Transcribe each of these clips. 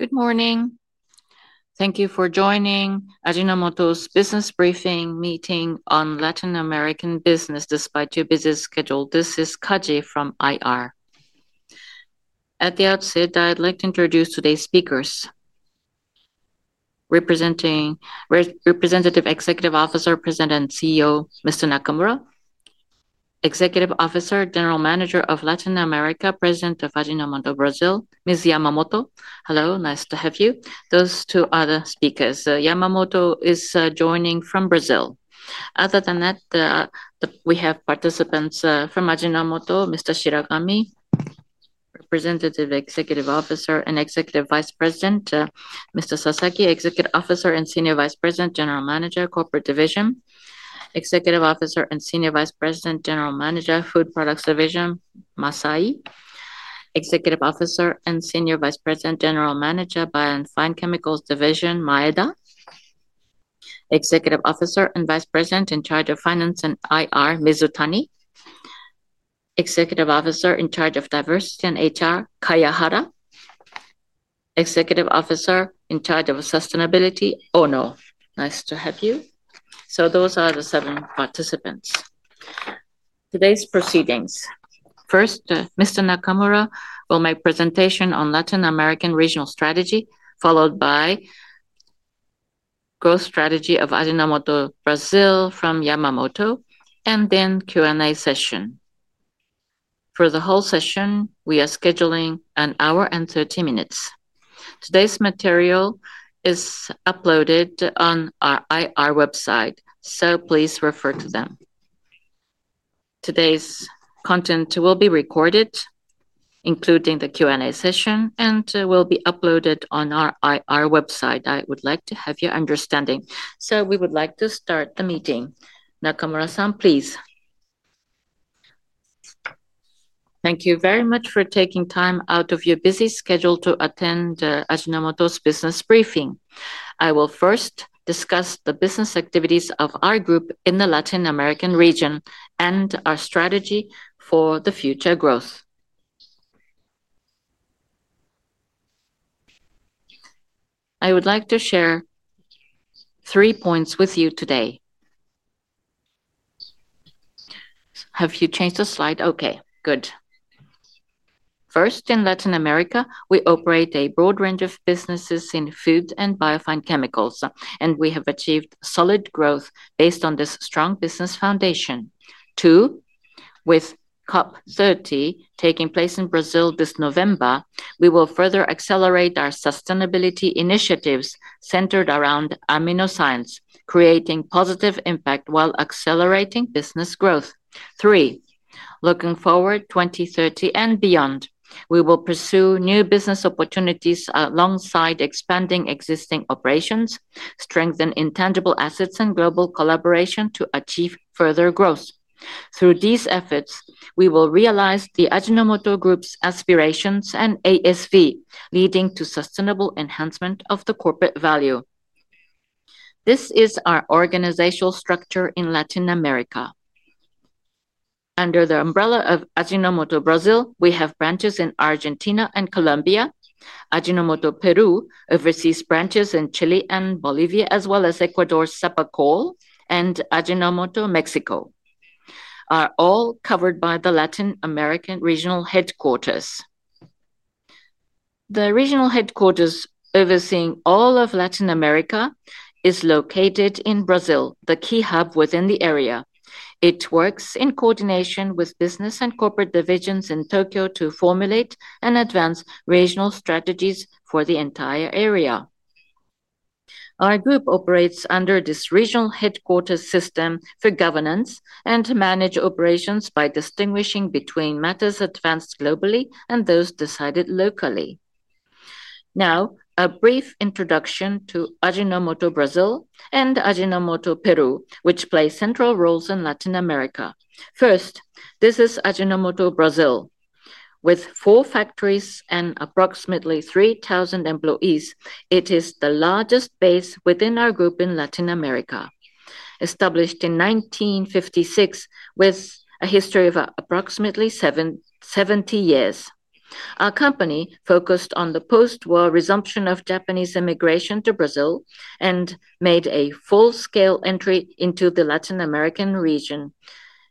Good morning. Thank you for joining Ajinomoto Group's business briefing. Meeting on Latin American business despite your busy schedule. This is Kaji from IR. At the outset, I'd like to introduce today's speakers representing Representative Executive Officer, President & CEO Mr. Nakamura, Executive Officer, General Manager of Latin America, President of Ajinomoto do Brasil Ms. Yamamoto. Hello. Nice to have you. Those two other speakers, Yamamoto is joining from Brazil. Other than that, we have participants from Ajinomoto. Mr. Shiragami, Representative Executive Officer and Executive Vice President; Mr. Sasaki, Executive Officer and Senior Vice President, General Manager, Corporate Division; Executive Officer and Senior Vice President, General Manager, Food Products Division; Masai, Executive Officer and Senior Vice President, General Manager, Bio-Fine Chemicals Division; Maeda, Executive Officer and Vice President in charge of Finance and IR; Mizutani, Executive Officer in charge of Diversity and HR; Kayahara, Executive Officer in charge of Sustainability; Ono, nice to have you. Those are the seven participants in today's proceedings. First, Mr. Nakamura will make a presentation on Latin American regional strategy followed by growth. Strategy of Ajinomoto, Brazil from Yamamoto. The Q and A session for the whole session is scheduled for an hour and 30 minutes. Today's material is uploaded on our IR. Website, so please refer to them. Today's content will be recorded, including the Q and A session, and will be uploaded on our IR website. I would like to have your understanding, so we would like to start the meeting. Nakamura-san, please. Thank you very much for taking time out of your busy schedule to attend Ajinomoto's business briefing. I will first discuss the business activities of our group in the Latin American region and our strategy for future growth. I would like to share three points with you today. Have you changed the slide? Okay, good. First, in Latin America, we operate a broad range of businesses in food and bio-fine chemicals and we have achieved solid growth based on this strong business foundation. With COP30 taking place in Brazil this November, we will further accelerate our sustainability initiatives centered around Aminoscience, creating positive impact while accelerating business growth. Looking forward to 2030 and beyond, we will pursue new business opportunities alongside expanding existing operations, strengthen intangible assets and global collaboration to achieve full further growth. Through these efforts, we will realize the Ajinomoto Group's aspirations and ASV leading to sustainable enhancement of the corporate value. This is our organizational structure in Latin America. Under the umbrella of Ajinomoto do Brasil, we have branches in Argentina and Colombia. Ajinomoto Peru oversees branches in Chile and Bolivia as well as Ecuador. Sepacol and Ajinomoto Mexico are all covered by the Latin American regional headquarters. The regional headquarters overseeing all of Latin America is located in Brazil, the key hub within the area. It works in coordination with business and corporate divisions in Tokyo to formulate and advance regional strategies for the entire area. Our group operates under this regional headquarters system for governance and manages operations by distinguishing between matters advanced globally and those decided locally. Now, a brief introduction to Ajinomoto do Brasil and Ajinomoto Peru which play central roles in Latin America. First, this is Ajinomoto do Brasil. With four factories and approximately 3,000 employees, it is the largest base within our group in Latin America. Established in 1956 with a history of approximately 70 years, our company focused on the postwar resumption of Japanese immigration to Brazil and made a full-scale entry into the Latin American region,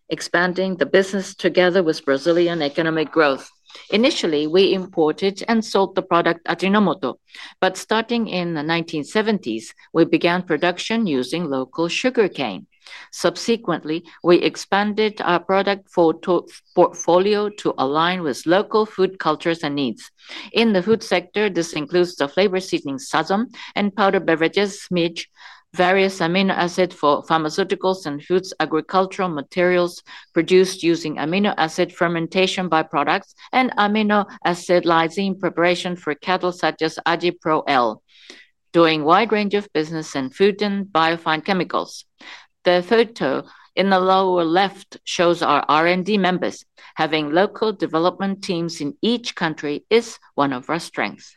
expanding the business together with Brazilian economic growth. Initially, we imported and sold the product Ajinomoto, but starting in the 1970s we began production using local sugar cane. Subsequently, we expanded our product portfolio to align with local food cultures and needs in the food sector. This includes the flavor seasoning Tempero Sazon and powder beverages, various amino acids for pharmaceuticals and foods, agricultural materials produced using amino acid fermentation byproducts, and amino acid lysine preparation for cattle such as Agipro L, doing a wide range of business in food and bio-fine chemicals. The photo in the lower left shows. Our R&D members. Having local development teams in each country is one of our strengths.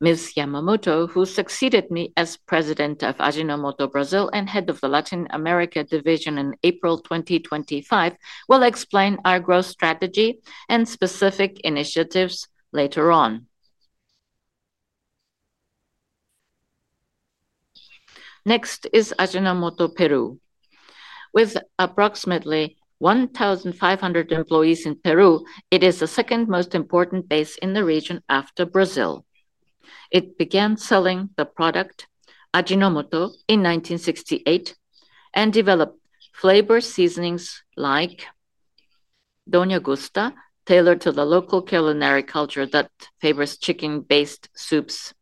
Ms. Yamamoto, who succeeded me as President of Ajinomoto do Brasil and head of the Latin America Division in April 2025, will explain our growth strategy and specific initiatives later on. Next is Ajinomoto Peru. With approximately 1,500 employees in Peru, it is the second most important base in the region after Brazil. It began selling the product Ajinomoto in 1968 and developed flavor seasonings like Donya Gusta, tailored to the local culinary culture that favors chicken-based soups,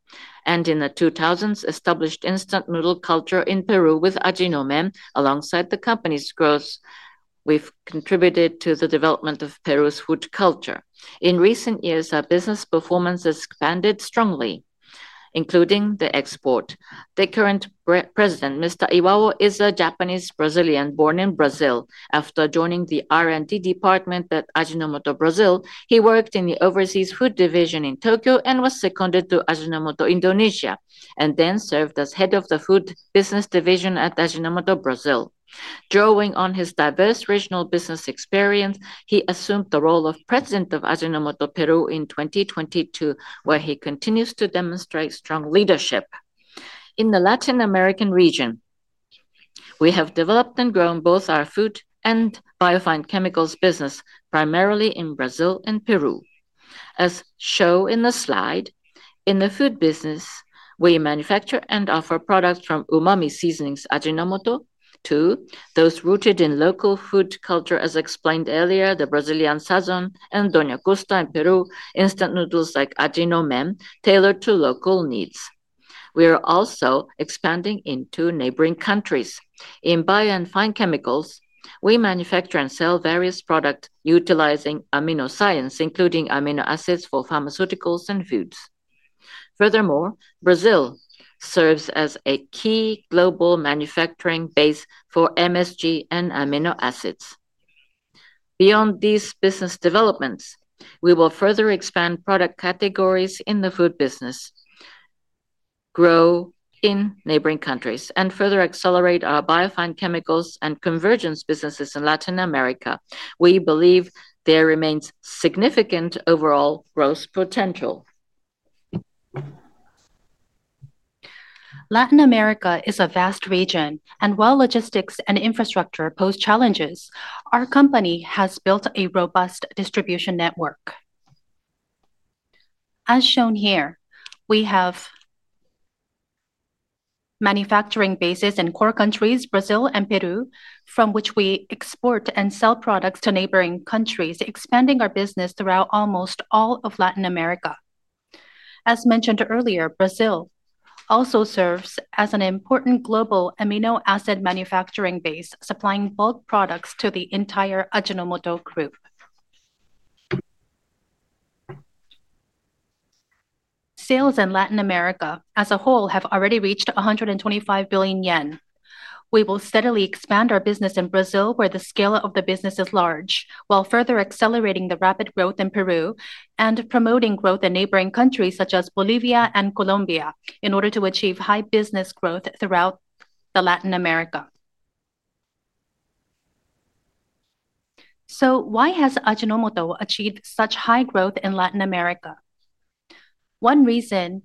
and in the 2000s established instant noodle culture in Peru with Ajinomen. Alongside the company's growth, we've contributed to the development of Peru's food culture. In recent years, our business performance expanded strongly, including the export. The current President, Mr. Iwao, is a Japanese Brazilian born in Brazil. After joining the R&D department at Ajinomoto do Brasil, he worked in the Overseas Food Division in Japan (Tokyo) and was seconded to Ajinomoto Indonesia and then served as head of the Food Business Division at Ajinomoto do Brasil. Drawing on his diverse regional business experience, he assumed the role of President of Ajinomoto Peru in 2022 where he continues to demonstrate strong leadership in the Latin American region. We have developed and grown both our food and bio-fine chemicals business primarily in Brazil and Peru, as shown in the slide. In the food business, we manufacture and offer products from Umami seasonings Ajinomoto to those rooted in local food culture. As explained earlier, the Brazilian Tempero Sazon and Donya Gusta in Peru, instant noodles like Ajinomen tailored to local needs. We are also expanding into neighboring countries in bio-fine chemicals. We manufacture and sell various products utilizing aminoscience including amino acids for pharmaceuticals and foods. Furthermore, Brazil serves as a key global manufacturing base for MSG and amino acids. Beyond these business developments, we will further expand product categories in the food business, grow in neighboring countries and further accelerate our bio-fine chemicals and convergence businesses in Latin America. We believe there remains significant overall growth potential. Latin America is a vast region, and while logistics and infrastructure pose challenges, our company has built a robust distribution network. As shown here, we have manufacturing bases in core countries Brazil and Peru, from which we export and sell products to neighboring countries, expanding our business throughout almost all of Latin America. As mentioned earlier, Brazil also serves as an important global amino acid manufacturing base, supplying bulk products to the entire Ajinomoto Group. Sales in Latin America as a whole have already reached ¥125 billion. We will steadily expand our business in Brazil, where the scale of the business is large, while further accelerating the rapid growth in Peru and promoting growth in neighboring countries such as Bolivia and Colombia in order to achieve high business growth throughout Latin America. Why has Ajinomoto achieved such high growth in Latin America? One reason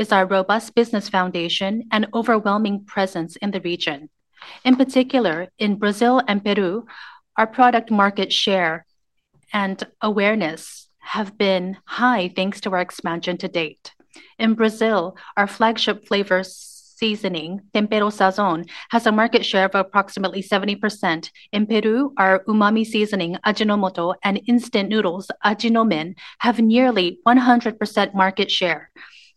is our robust business foundation and overwhelming presence in the region. In particular, in Brazil and Peru, our product market share and awareness have been high thanks to our expansion to date in Brazil. Our flagship flavor seasoning Tempero Sazon has a market share of approximately 70% in Peru, our Umami seasoning Ajinomoto and instant noodles Ajinomen have nearly 100% market share,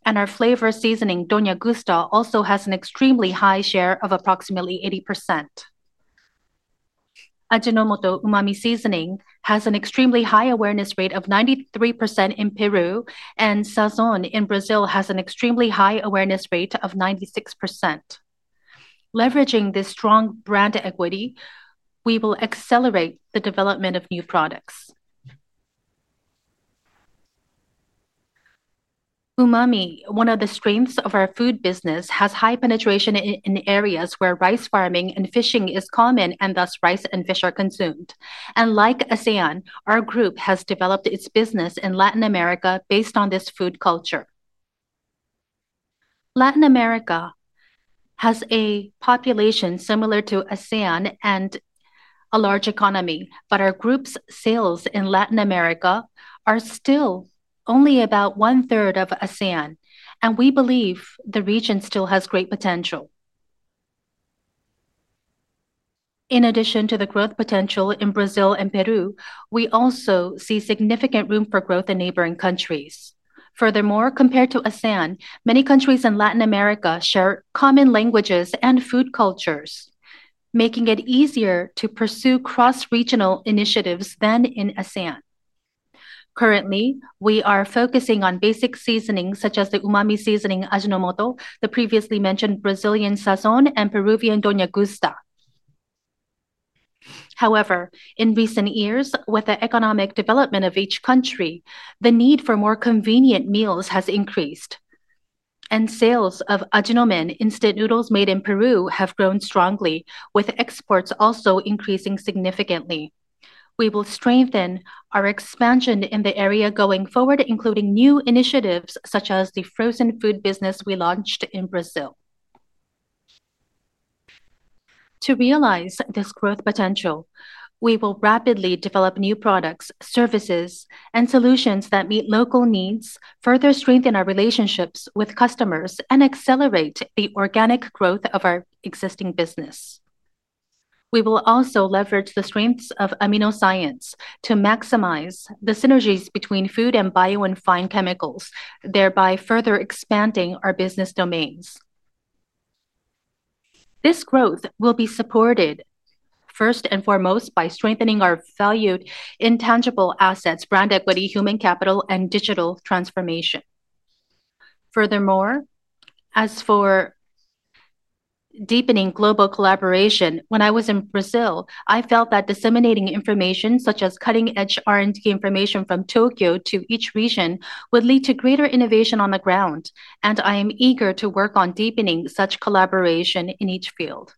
and our flavor seasoning Donya Gusta also has an extremely high share of approximately 80%. Ajinomoto Umami seasoning has an extremely high awareness rate of 93% in Peru, and Sazon in Brazil has an extremely high awareness rate of 96%. Leveraging this strong brand equity, we will accelerate the development of new products. Umami, one of the strengths of our food business, has high penetration in areas where rice farming and fishing is common and thus rice and fish are consumed. Like ASEAN, our Group has developed its business in Latin America based on this food culture. Latin America has a population similar to ASEAN and a large economy, but our Group's sales in Latin America are still only about one-third of ASEAN, and we believe the region still has great potential. In addition to the growth potential in Brazil and Peru, we also see significant room for growth in neighboring countries. Furthermore, compared to ASEAN, many countries in Latin America share common languages and food cultures, making it easier to pursue cross-regional initiatives than in ASEAN. Currently, we are focusing on basic seasonings such as the umami seasoning, Ajinomoto, the previously mentioned Brazilian Tempero Sazon and Peruvian Donya Gusta. However, in recent years with the economic development of each country, the need for more convenient meals has increased and sales of Ajinomen instant noodles made in Peru have grown strongly, with exports also increasing significantly. We will strengthen our expansion in the area going forward, including new initiatives such as the frozen food business we launched in Brazil. To realize this growth potential, we will rapidly develop new products, services, and solutions that meet local needs, further strengthen our relationships with customers, and accelerate the organic growth of our existing business. We will also leverage the strengths of aminoscience to maximize the synergies between food and bio-fine chemicals, thereby further expanding our business domains. This growth will be supported first and foremost by strengthening our valued intangible assets, brand equity, human capital, and digital transformation. Furthermore, as for deepening global collaboration, when I was in Brazil I felt that disseminating information such as cutting-edge R&D information from Tokyo to each region would lead to greater innovation on the ground and I am eager to work on deepening such collaboration in each field.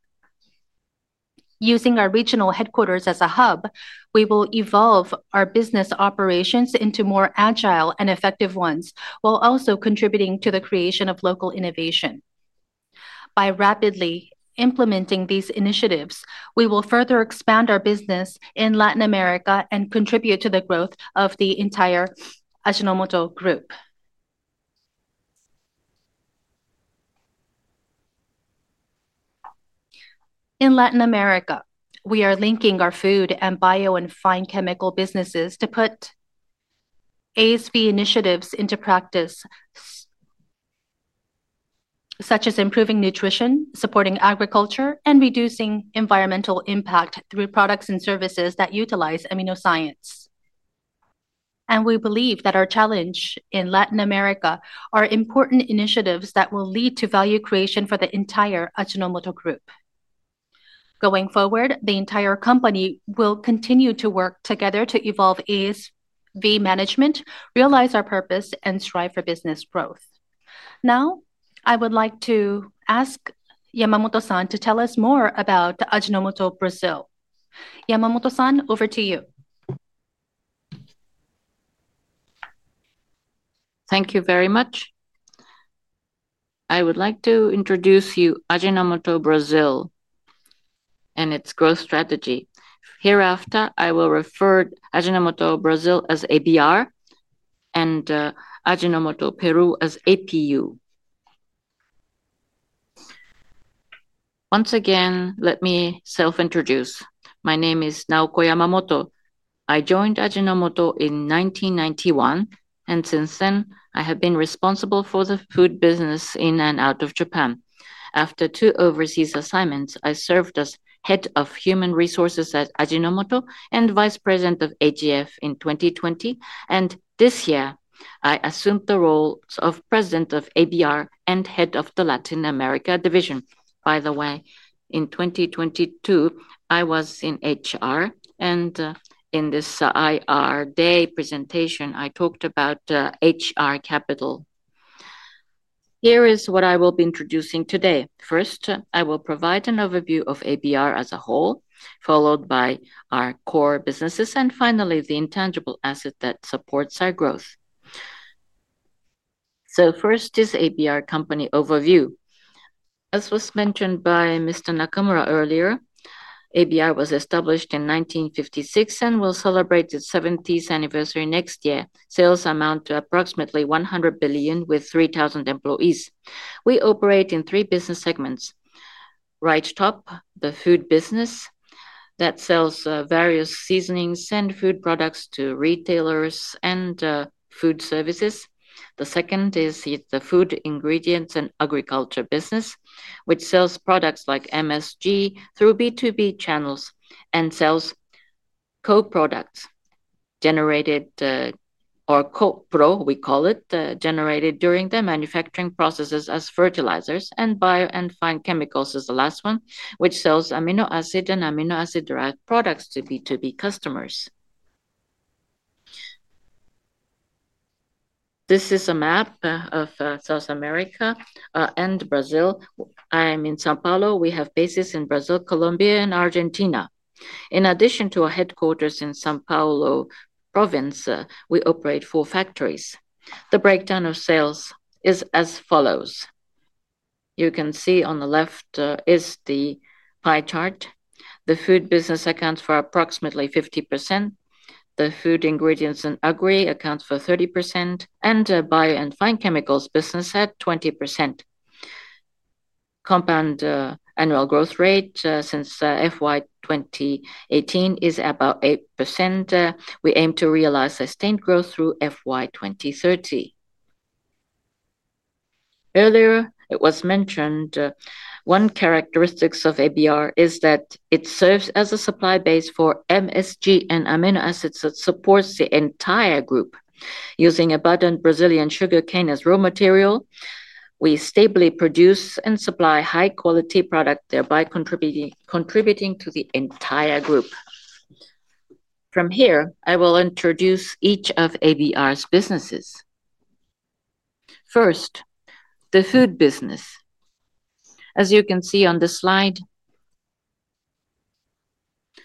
Using our regional headquarters as a hub, we will evolve our business operations into more agile and effective ones while also contributing to the creation of local innovation. By rapidly implementing these initiatives, we will further expand our business in Latin America and contribute to the growth of the entire Ajinomoto Group in Latin America. We are linking our food and bio-fine chemical businesses to put ASV initiatives into practice such as improving nutrition, supporting agriculture, and reducing environmental impact through products and services that utilize aminoscience and we believe that our challenge in Latin America are important initiatives that will lead to value creation for the entire Ajinomoto Group. Going forward, the entire company will continue to work together to evolve ASV management, realize our purpose, and strive for business growth. Now I would like to ask Yamamoto-san to tell us more about Ajinomoto do Brasil. Yamamoto-san, over to you. Thank you very much. I would like to introduce you to Ajinomoto do Brasil and its growth strategy. Hereafter I will refer to Ajinomoto do Brasil as ABR and Ajinomoto Peru as APU. Once again, let me self-introduce. My name is Naoko Yamamoto. I joined Ajinomoto in 1991 and since then I have been responsible for the food business in and out of Japan. After two overseas assignments, I served as Head of Human Resources at Ajinomoto and Vice President of AGF in 2020, and this year I assumed the role of President of ABR and Head of the Latin America Division. By the way, in 2022 I was in HR, and in this IR Day presentation I talked about HR Capital. Here is what I will be introducing today. First, I will provide an overview of ABR as a whole, followed by our core businesses, and finally the intangible asset that supports our growth. First is ABR Company Overview. As was mentioned by Mr. Nakamura earlier, ABR was established in 1956 and will celebrate its 70th anniversary next year. Sales amount to approximately ¥100 billion with 3,000 employees. We operate in three business segments. Right top, the food business that sells various seasonings and food products to retailers and food services. The second is the food ingredients and agriculture business, which sells products like MSG through B2B channels and sells co-products generated during the manufacturing processes as fertilizers. Bio-fine chemicals is the last one, which sells amino acid and amino acid-derived products to B2B customers. This is a map of South America and Brazil. I'm in Sao Paulo. We have bases in Brazil, Colombia, and Argentina. In addition to our headquarters in Sao Paulo province, we operate four factories. The breakdown of sales is as follows. You can see on the left is the pie chart. The food business accounts for approximately 50%. The food ingredients and agri accounts for 30%, and bio-fine chemicals business at 20%. Compound annual growth rate since FY 2018 is about 8%. We aim to realize sustained growth through FY 2030. Earlier it was mentioned one characteristic of ABR is that it serves as a supply base for MSG and amino acids that supports the entire group. Using abundant Brazilian sugarcane as raw material, we stably produce and supply high-quality product, thereby contributing to the entire group. From here I will introduce each of ABR's businesses. First, the food business. As you can see on the slide.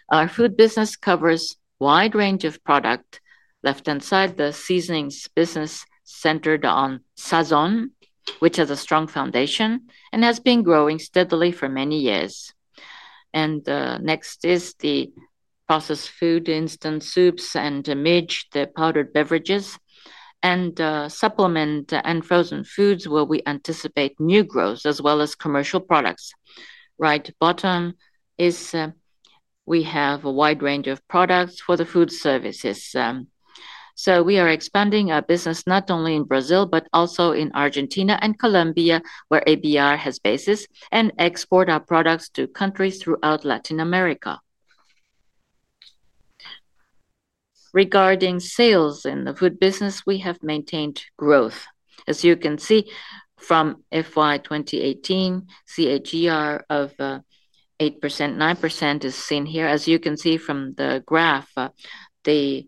Our food business covers a wide range of product. Left hand side, the seasonings business centered on Tempero Sazon, which has a strong foundation and has been growing steadily for many years. Next is the processed food, instant soups, and midge. The powdered beverages and supplement and frozen foods, where we anticipate new growth as well as commercial products. Right bottom is we have a wide. Range of products for the food services. We are expanding our business not only in Brazil but also in Argentina and Colombia where ABR has basis and export our products to countries throughout Latin America. Regarding sales in the food business, we have maintained growth as you can see from FY 2018 CAGR of 8% to 9% is seen here. As you can see from the graph, the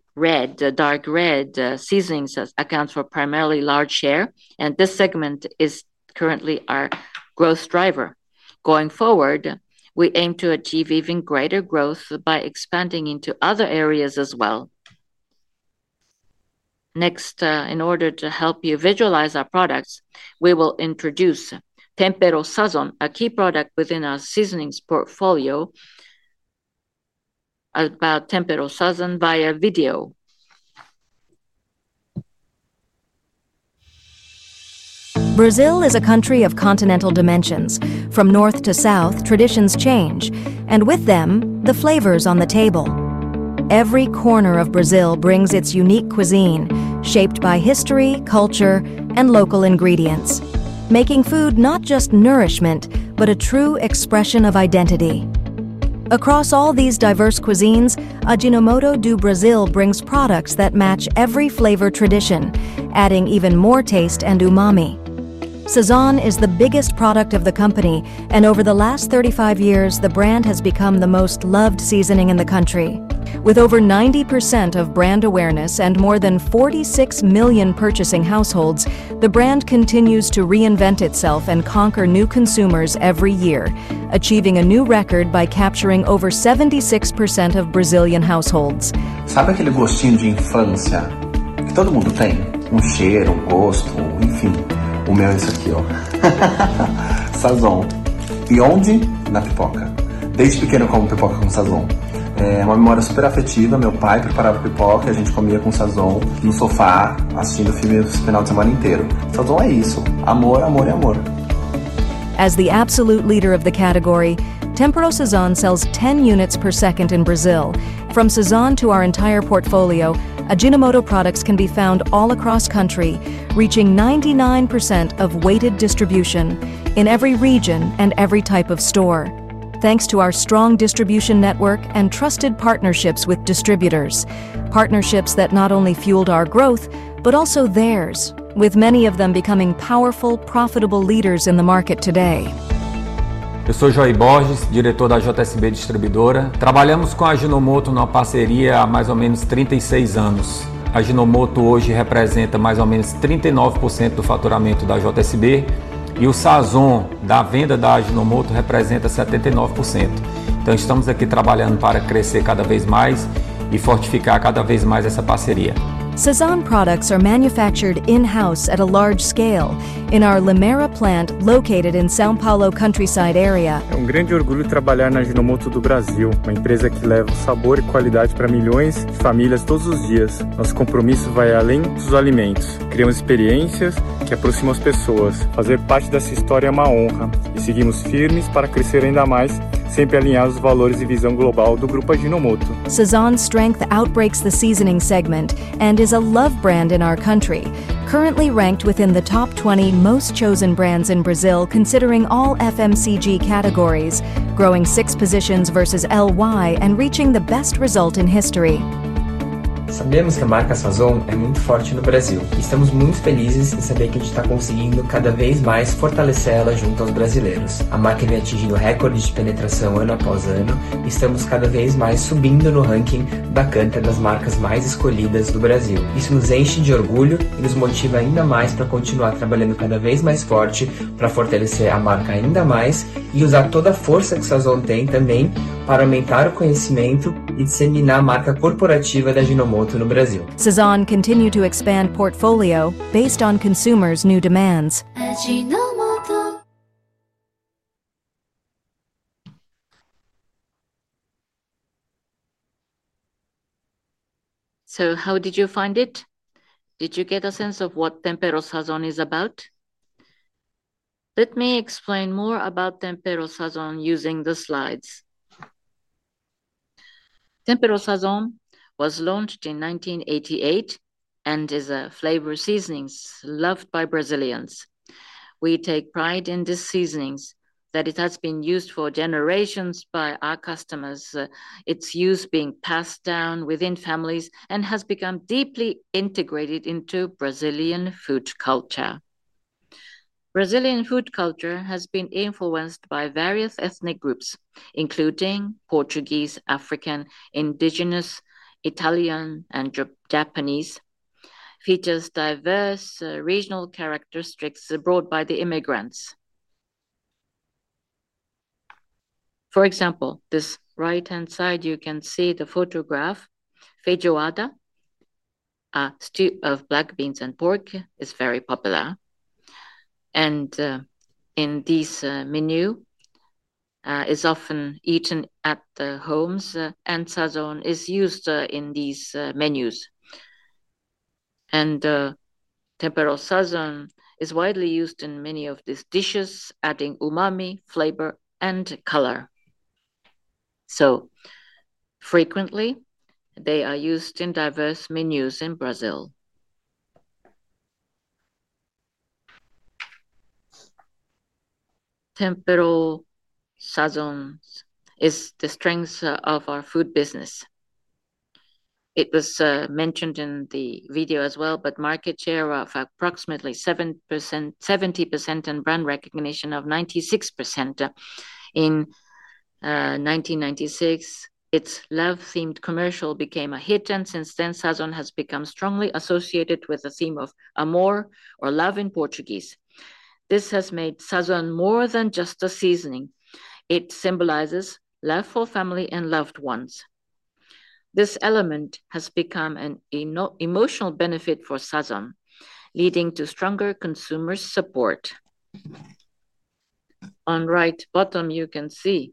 dark red seasonings account for primarily large share and this segment is currently our growth driver. Going forward, we aim to achieve even greater growth by expanding into other areas as well. Next, in order to help you visualize our products, we will introduce Tempero Sazon, a key product within our seasonings portfolio. About Tempero Sazon via video. Brazil is a country of continental dimensions. From north to south, traditions change and with them the flavors on the table. Every corner of Brazil brings its unique cuisine shaped by history, culture, and local ingredients, making food not just nourishment but a true expression of identity across all these diverse cuisines. Ajinomoto do Brasil brings products that match every flavor tradition, adding even more taste and umami. Tempero Sazon is the biggest product of the company and over the last 35 years the brand has become the most loved seasoning in the country. With over 90% of brand awareness and more than 46 million purchasing households, the brand continues to reinvent itself and conquer new consumers every year, achieving a new record by capturing over 76% of Brazilian households. As the absolute leader of the seasoning category, Tempero Sazon sells 10 units per second in Brazil. From Sazon to our entire portfolio, Ajinomoto products can be found all across the country, reaching 99% of weighted distribution in every region and every type of store. Thanks to our strong distribution network and trusted partnerships with distributors, partnerships that not only fueled our growth but also theirs, with many of them becoming powerful, profitable leaders in the market. Today, Sazon products are manufactured in-house at a large scale in our Limeira plant located in Sao Paulo countryside area. Sazon's strength outpaces the seasoning segment and is a love brand in our country, currently ranked within the top 20 most chosen brands in Brazil considering all FMCG categories, growing six positions versus last year and reaching the best result in history. Sazon continues to expand its portfolio based on consumers' new demands. How did you find it? Did you get a sense of what? Tempero Sazon is about? Let me explain more about Tempero Sazon using the slides. Tempero Sazon was launched in 1988 and is a flavor seasoning loved by Brazilians. We take pride in this seasoning that it has been used for generations by our customers. Its use is being passed down within families and has become deeply integrated into Brazilian food culture. Brazilian food culture has been influenced by various ethnic groups including Portuguese, African, Indigenous, Italian, and Japanese. It features diverse regional characteristics brought by the immigrants. For example, on this right-hand side you can see the photograph. Feijoada of black beans and pork is very popular and this menu is often eaten at homes. Sazon is used in these menus. Tempero Sazon is widely used in many of these dishes, adding umami flavor and color. Frequently, they are used in diverse menus in Brazil. Tempero Sazon is the strength of our food business. It was mentioned in the video as well. Market share is approximately 70% and brand recognition is 96%. In 1996, its love-themed commercial became a hit and since then Sazon has become strongly associated with the theme of Amor or love in Portuguese. This has made Sazon more than just a seasoning. It symbolizes love for family and loved ones. This element has become an emotional benefit for Sazon, leading to stronger consumer support. On the right bottom you can see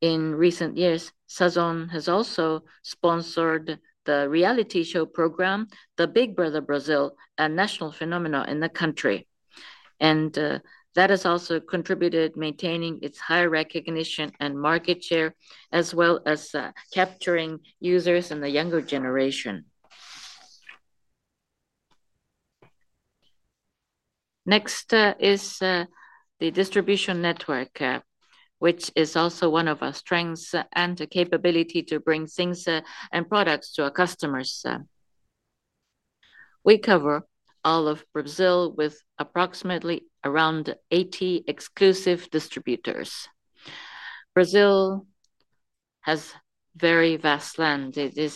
in recent years, Sazon has also sponsored the reality show program Big Brother Brazil, a national phenomenon in the country and that has also contributed to maintaining its high recognition and market share as well as capturing users in the younger generation. Next is the distribution network which is also one of our strengths and the capability to bring things and products to our customers. We cover all of Brazil with approximately around 80 exclusive distributors. Brazil has very vast land. It is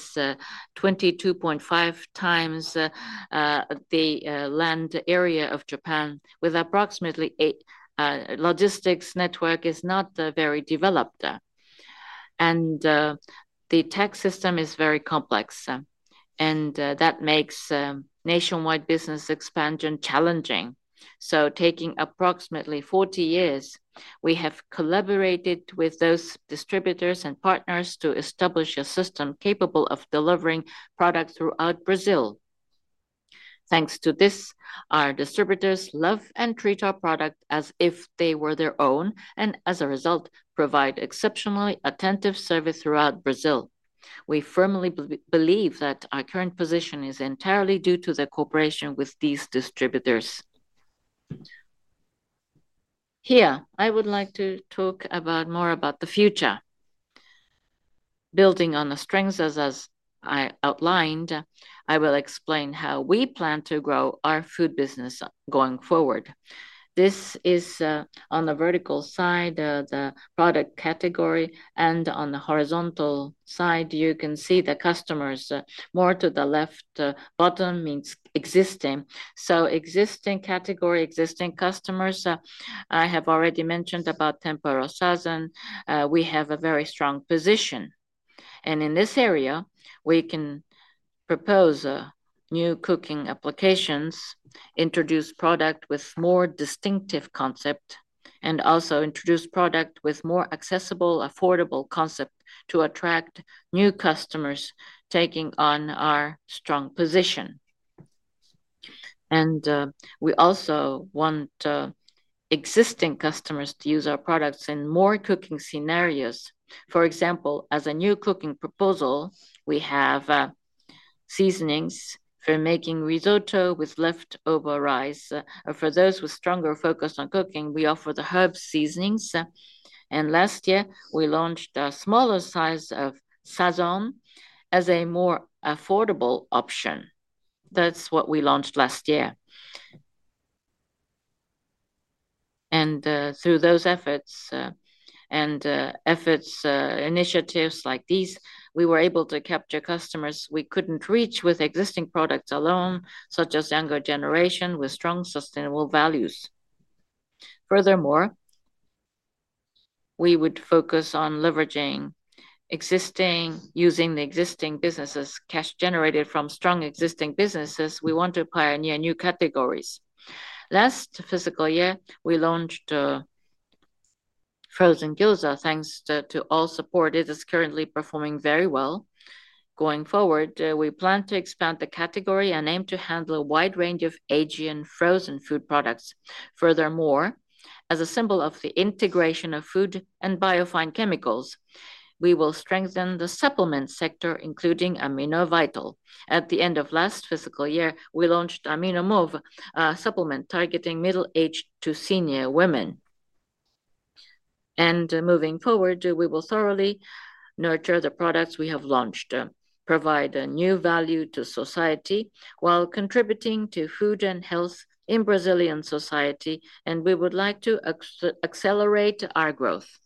22.5 times the land area of Japan with approximately 8 logistics network is not very developed and the tax. system is very complex, and that makes. Nationwide business expansion is challenging. Taking approximately 40 years, we have collaborated with those distributors and partners to establish a system capable of delivering products throughout Brazil. Thanks to this, our distributors love and treat our product as if they were their own, and as a result, provide exceptionally attentive service throughout Brazil. We firmly believe that our current position is entirely due to the cooperation with these distributors. Here I would like to talk more about the future. Building on the strengths as I outlined, I will explain how we plan to grow our food business going forward. This is on the vertical side, the product category, and on the horizontal side you can see the customers. More to the left bottom means existing. So, existing category, existing customers. I have already mentioned about Tempero Sazon. We have a very strong position, and in this area we can propose new cooking applications, introduce products with more distinctive concepts, and also introduce products with more accessible, affordable concepts to attract new customers, taking on our strong position. We also want existing customers to use our products in more cooking scenarios. For example, as a new cooking proposal, we have seasonings for making risotto with leftover rice. For those with a stronger focus on cooking, we offer the herb seasonings. Last year we launched a smaller size of Sazón as a more affordable option. That's what we launched last year. Through efforts and initiatives like these, we were able to capture customers we couldn't reach with existing products alone, such as the younger generation with strong sustainable values. Furthermore, we would focus on leveraging the existing businesses, using the cash generated from strong existing businesses. We want to acquire near new categories. Last fiscal year we launched Frozen Gyoza. Thanks to all support, it is currently performing very well. Going forward, we plan to expand the category and aim to handle a wide range of Ajinomoto frozen food products. Furthermore, as a symbol of the integration of food and bio-fine chemicals, we will strengthen the supplement sector, including Amino Vital. At the end of last fiscal year, we launched Amino Move supplement targeting middle-aged to senior women. Moving forward, we will thoroughly nurture the products we have launched, provide new value to society while contributing to food and health in Brazilian society, and we would like to accelerate our growth.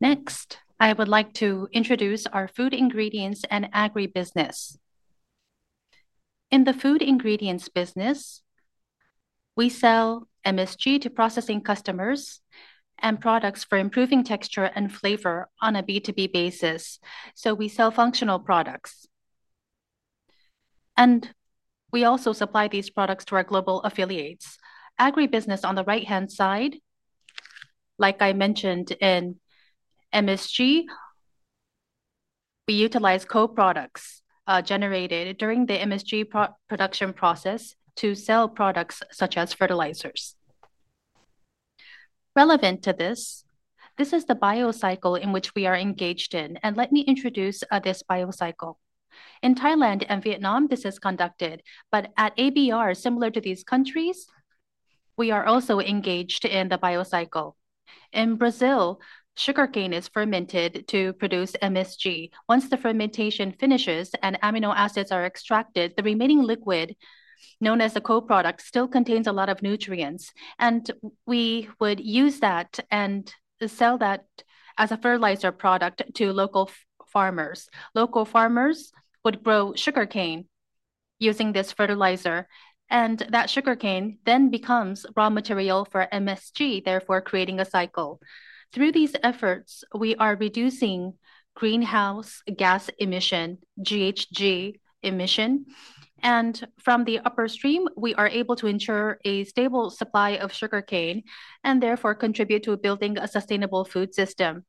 Next, I would like to introduce our food ingredients and agribusiness. In the food ingredients business, we sell MSG to processing customers and products for improving texture and flavor on a B2B basis. We sell functional products and we also supply these products to our global affiliates. Agribusiness. On the right-hand side, like I mentioned in MSG, we utilize co-products generated during the MSG production process to sell products such as fertilizers relevant to this. This is the Biocycle in which we are engaged in. Let me introduce this Biocycle. In Thailand and Vietnam this is conducted but at Ajinomoto do Brasil, similar to these countries, we are also engaged in the Biocycle. In Brazil, sugarcane is fermented to produce MSG. Once the fermentation finishes and amino acids are extracted, the remaining liquid known as the co-product still contains a lot of nutrients and we would use that and sell that as a fertilizer product to local farmers. Local farmers would grow sugarcane using this fertilizer and that sugarcane then becomes raw material for MSG, therefore creating a cycle. Through these efforts, we are reducing greenhouse gas emission, GHG emission, and from the upstream, we are able to ensure a stable supply of sugarcane and therefore contribute to building a sustainable food system.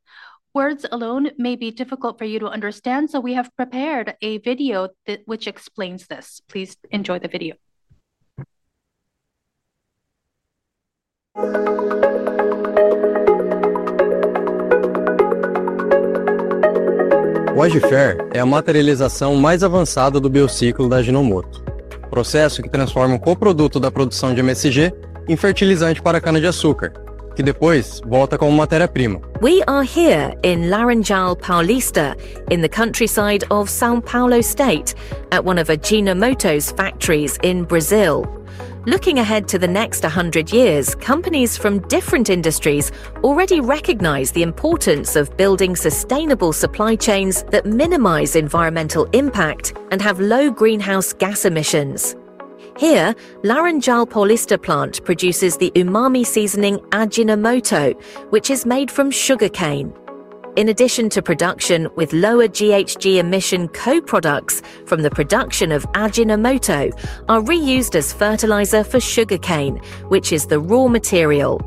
Words alone may be difficult for you to understand. We have prepared a video which explains this. Please enjoy the video. We are here in Laranjal Paulista in the countryside of Sao Paulo State at one of Ajinomoto's factories in Brazil. Looking ahead to the next 100 years, companies from different industries already recognize the importance of building sustainable supply chains that minimize environmental impact and have low greenhouse gas emissions. Here, Laranjal Paulista plant produces the umami seasoning Ajinomoto, which is made from sugarcane. In addition to production with lower GHG emission, co-products from the production of Ajinomoto are reused as fertilizer for sugarcane, which is the raw material.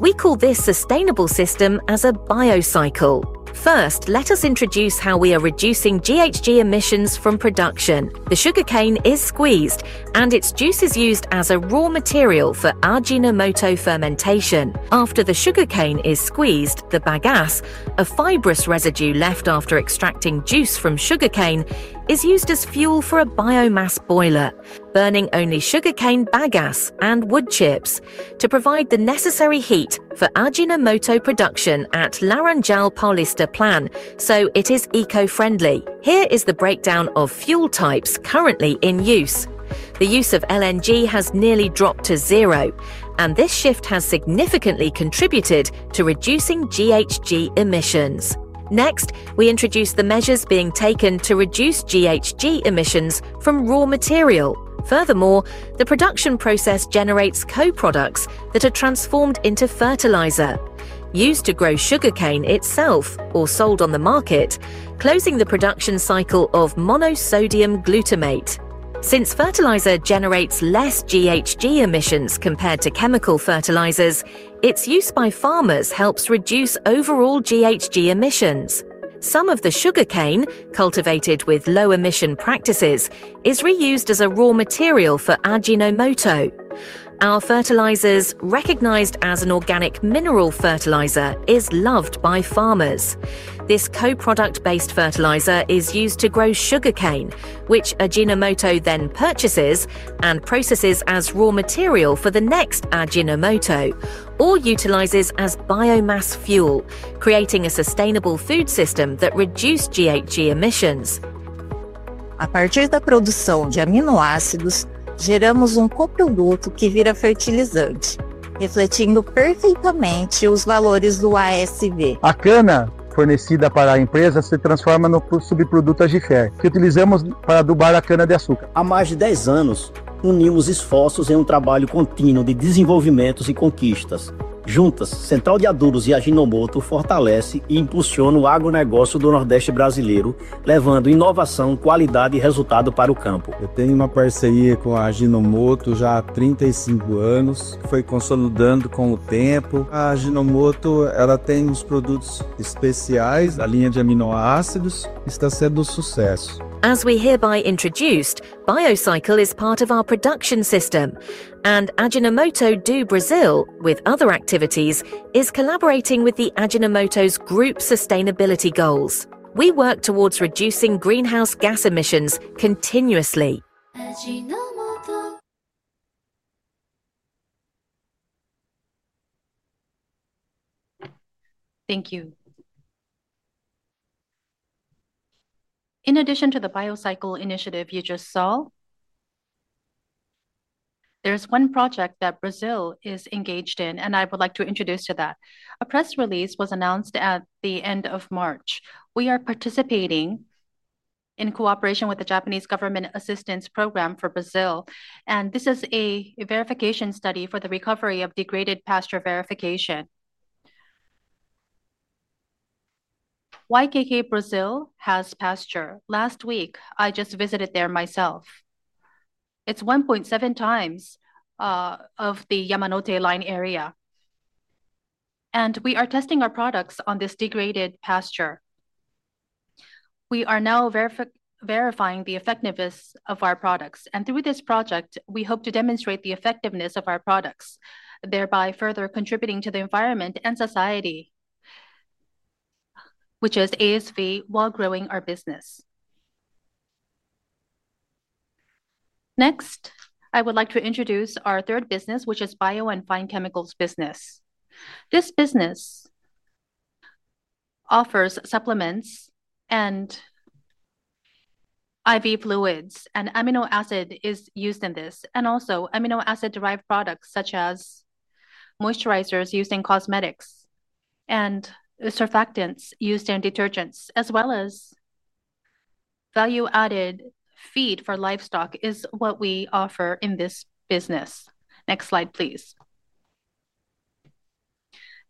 We call this sustainable system a Biocycle. First, let us introduce how we are reducing GHG emissions from production. The sugarcane is squeezed and its juice is used as a raw material for Ajinomoto fermentation. After the sugarcane is squeezed, the bagasse, a fibrous residue left after extracting juice from sugarcane, is used as fuel for a biomass boiler burning only sugarcane bagasse and wood chips to provide the necessary heat for Ajinomoto production at Laranjal Paulista plant. It is eco-friendly. Here is the breakdown of fuel types currently in use. The use of LNG has nearly dropped to zero, and this shift has significantly contributed to reducing GHG emissions. Next, we introduce the measures being taken to reduce GHG emissions from raw material. Furthermore, the production process generates co-products that are transformed into fertilizer used to grow sugarcane itself or sold on the market, closing the production cycle of monosodium glutamate. Since fertilizer generates less GHG emissions compared to chemical fertilizers, its use by farmers helps reduce overall GHG emissions. Some of the sugarcane cultivated with low emission practices is reused as a raw material for Ajinomoto. Our fertilizers, recognized as an organic mineral fertilizer, are loved by farmers. This co-product-based fertilizer is used to grow sugarcane, which Ajinomoto then purchases and processes as raw material for the next Ajinomoto or utilizes as biomass fuel, creating a sustainable food system that reduces GHG emissions. Apartment. As we hereby introduced, Biocycle is part of our production system and Ajinomoto do Brasil with other activities is collaborating with the Ajinomoto Group's sustainability goals. We work towards reducing greenhouse gas emissions continuously. Thank you. In addition to the Biocycle initiative you just saw, there's one project that Brazil is engaged in and I would like to introduce you to that. A press release was announced at the end of March. We are participating in cooperation with the Japanese government assistance program for Brazil and this is a verification study for the recovery of degraded pasture. Verification YKK Brazil has pasture. Last week I just visited there myself. It's 1.7 times the area of the Yamanote line and we are testing our products on this degraded pasture. We are now verifying the effectiveness of our products and through this project we hope to demonstrate the effectiveness of our products, thereby further contributing to the environment and society, which is ASV, while growing our business. Next, I would like to introduce our third business, which is bio-fine chemicals business. This business offers supplements and IV fluids and amino acid is used in this and also amino acid derived products such as moisturizers used in cosmetics and surfactants used in detergents as well as value-added feed for livestock is what we offer in this business. Next slide please.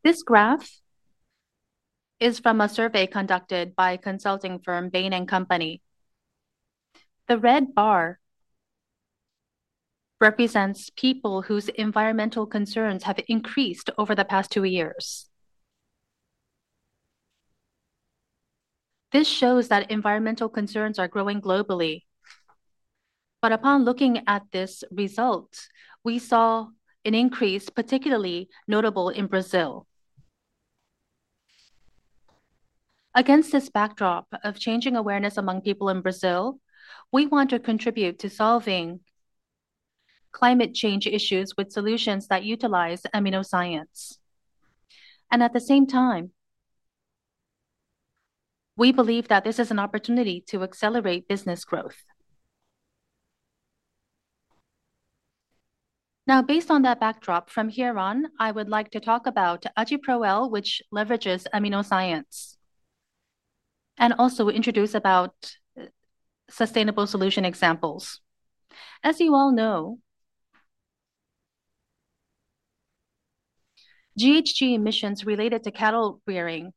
This graph is from a survey conducted by consulting firm Bain & Company. The red bar represents people whose environmental concerns have increased over the past two years. This shows that environmental concerns are growing globally. Upon looking at this result, we saw an increase particularly notable in Brazil. Against this backdrop of changing awareness among people in Brazil, we want to contribute to solving climate change issues with solutions that utilize aminoscience and at the same time we believe that this is an opportunity to accelerate business growth. Now, based on that backdrop, from here on I would like to talk about Agipro L, which leverages aminoscience, and also introduce sustainable solution examples. As you all know, GHG emissions related to cattle rearing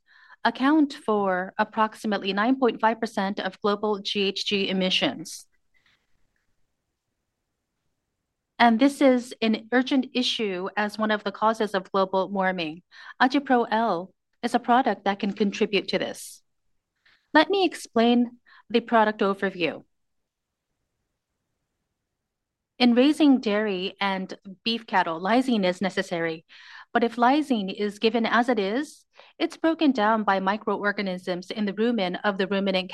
account for approximately 9.5% of global GHG emissions and this is an urgent issue as one of the causes of global warming. Agipro L is a product that can contribute to this. Let me explain the product overview. In raising dairy and beef cattle, lysine is necessary. If lysine is given as it is, it's broken down by microorganisms in the rumen of the ruminant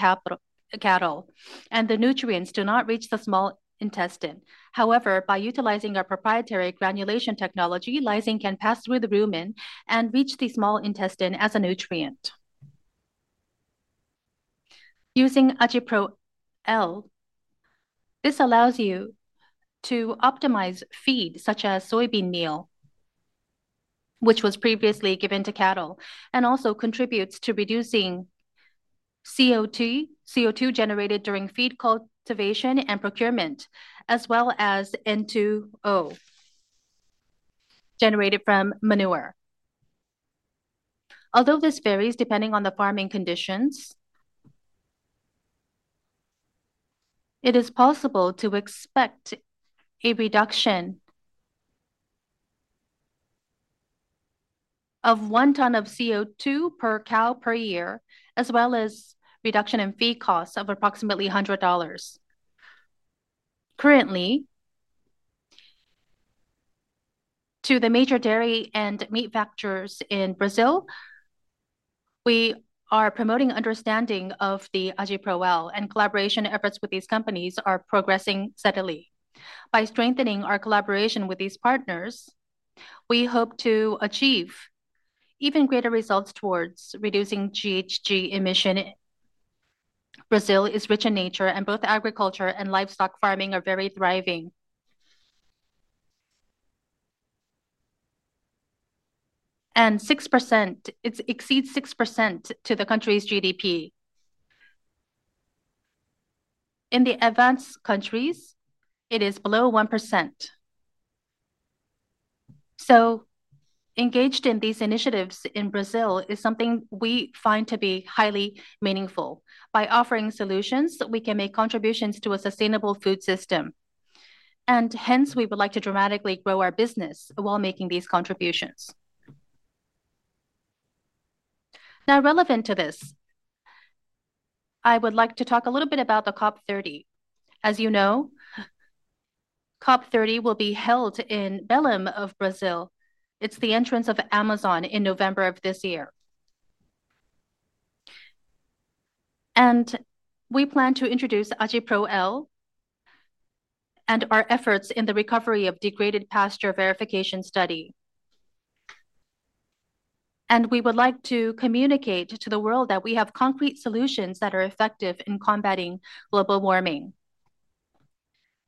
cattle and the nutrients do not reach the small intestine. However, by utilizing our proprietary granulation technology, lysine can pass through the rumen and reach the small intestine as a nutrient. Using Agipro L, this allows you to optimize feed such as soybean meal which was previously given to cattle and also contributes to reducing CO2 generated during feed cultivation and procurement as well as N2O generated from manure. Although this varies depending on the farming conditions, it is possible to expect a reduction of 1 ton of CO2 per cow per year as well as reduction in feed costs of approximately $100 currently to the major dairy and meat factors in Brazil. We are promoting understanding of the Agipro L and collaboration efforts with these companies are progressing steadily. By strengthening our collaboration with these partners, we hope to achieve even greater results towards reducing GHG emission. Brazil is rich in nature and both agriculture and livestock farming are very thriving. At 6%, it exceeds 6% of the country's GDP. In the advanced countries it is below 1%. Engaged in these initiatives in Brazil is something we find to be highly meaningful. By offering solutions, we can make contributions to a sustainable food system. Hence we would like to dramatically grow our business while making these contributions. Now relevant to this, I would like to talk a little bit about the COP30. As you know, COP30 will be held in Belem, Brazil. It's the entrance of Amazon in November of this year. We plan to introduce Agipro L and our efforts in the recovery of degraded pasture verification study. We would like to communicate to the world that we have concrete solutions that are effective in combating global warming.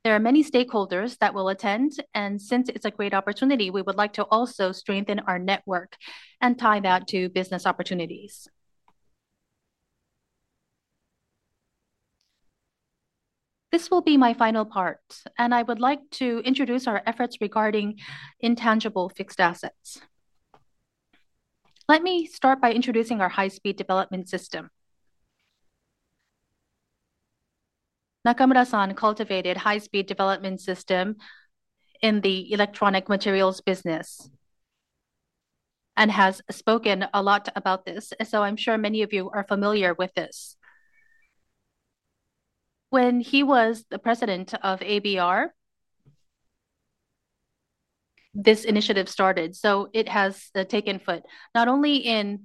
There are many stakeholders that will attend and since it's a great opportunity, we would like to also strengthen our network and tie that to business opportunities. Please. This will be my final part and I would like to introduce our efforts regarding intangible fixed assets. Let me start by introducing our high speed development system. Nakamura-san cultivated high speed development system in the electronic materials business and has spoken a lot about this. I'm sure many of you are familiar with this. When he was the President of ABR, this initiative started. It has taken foot not only in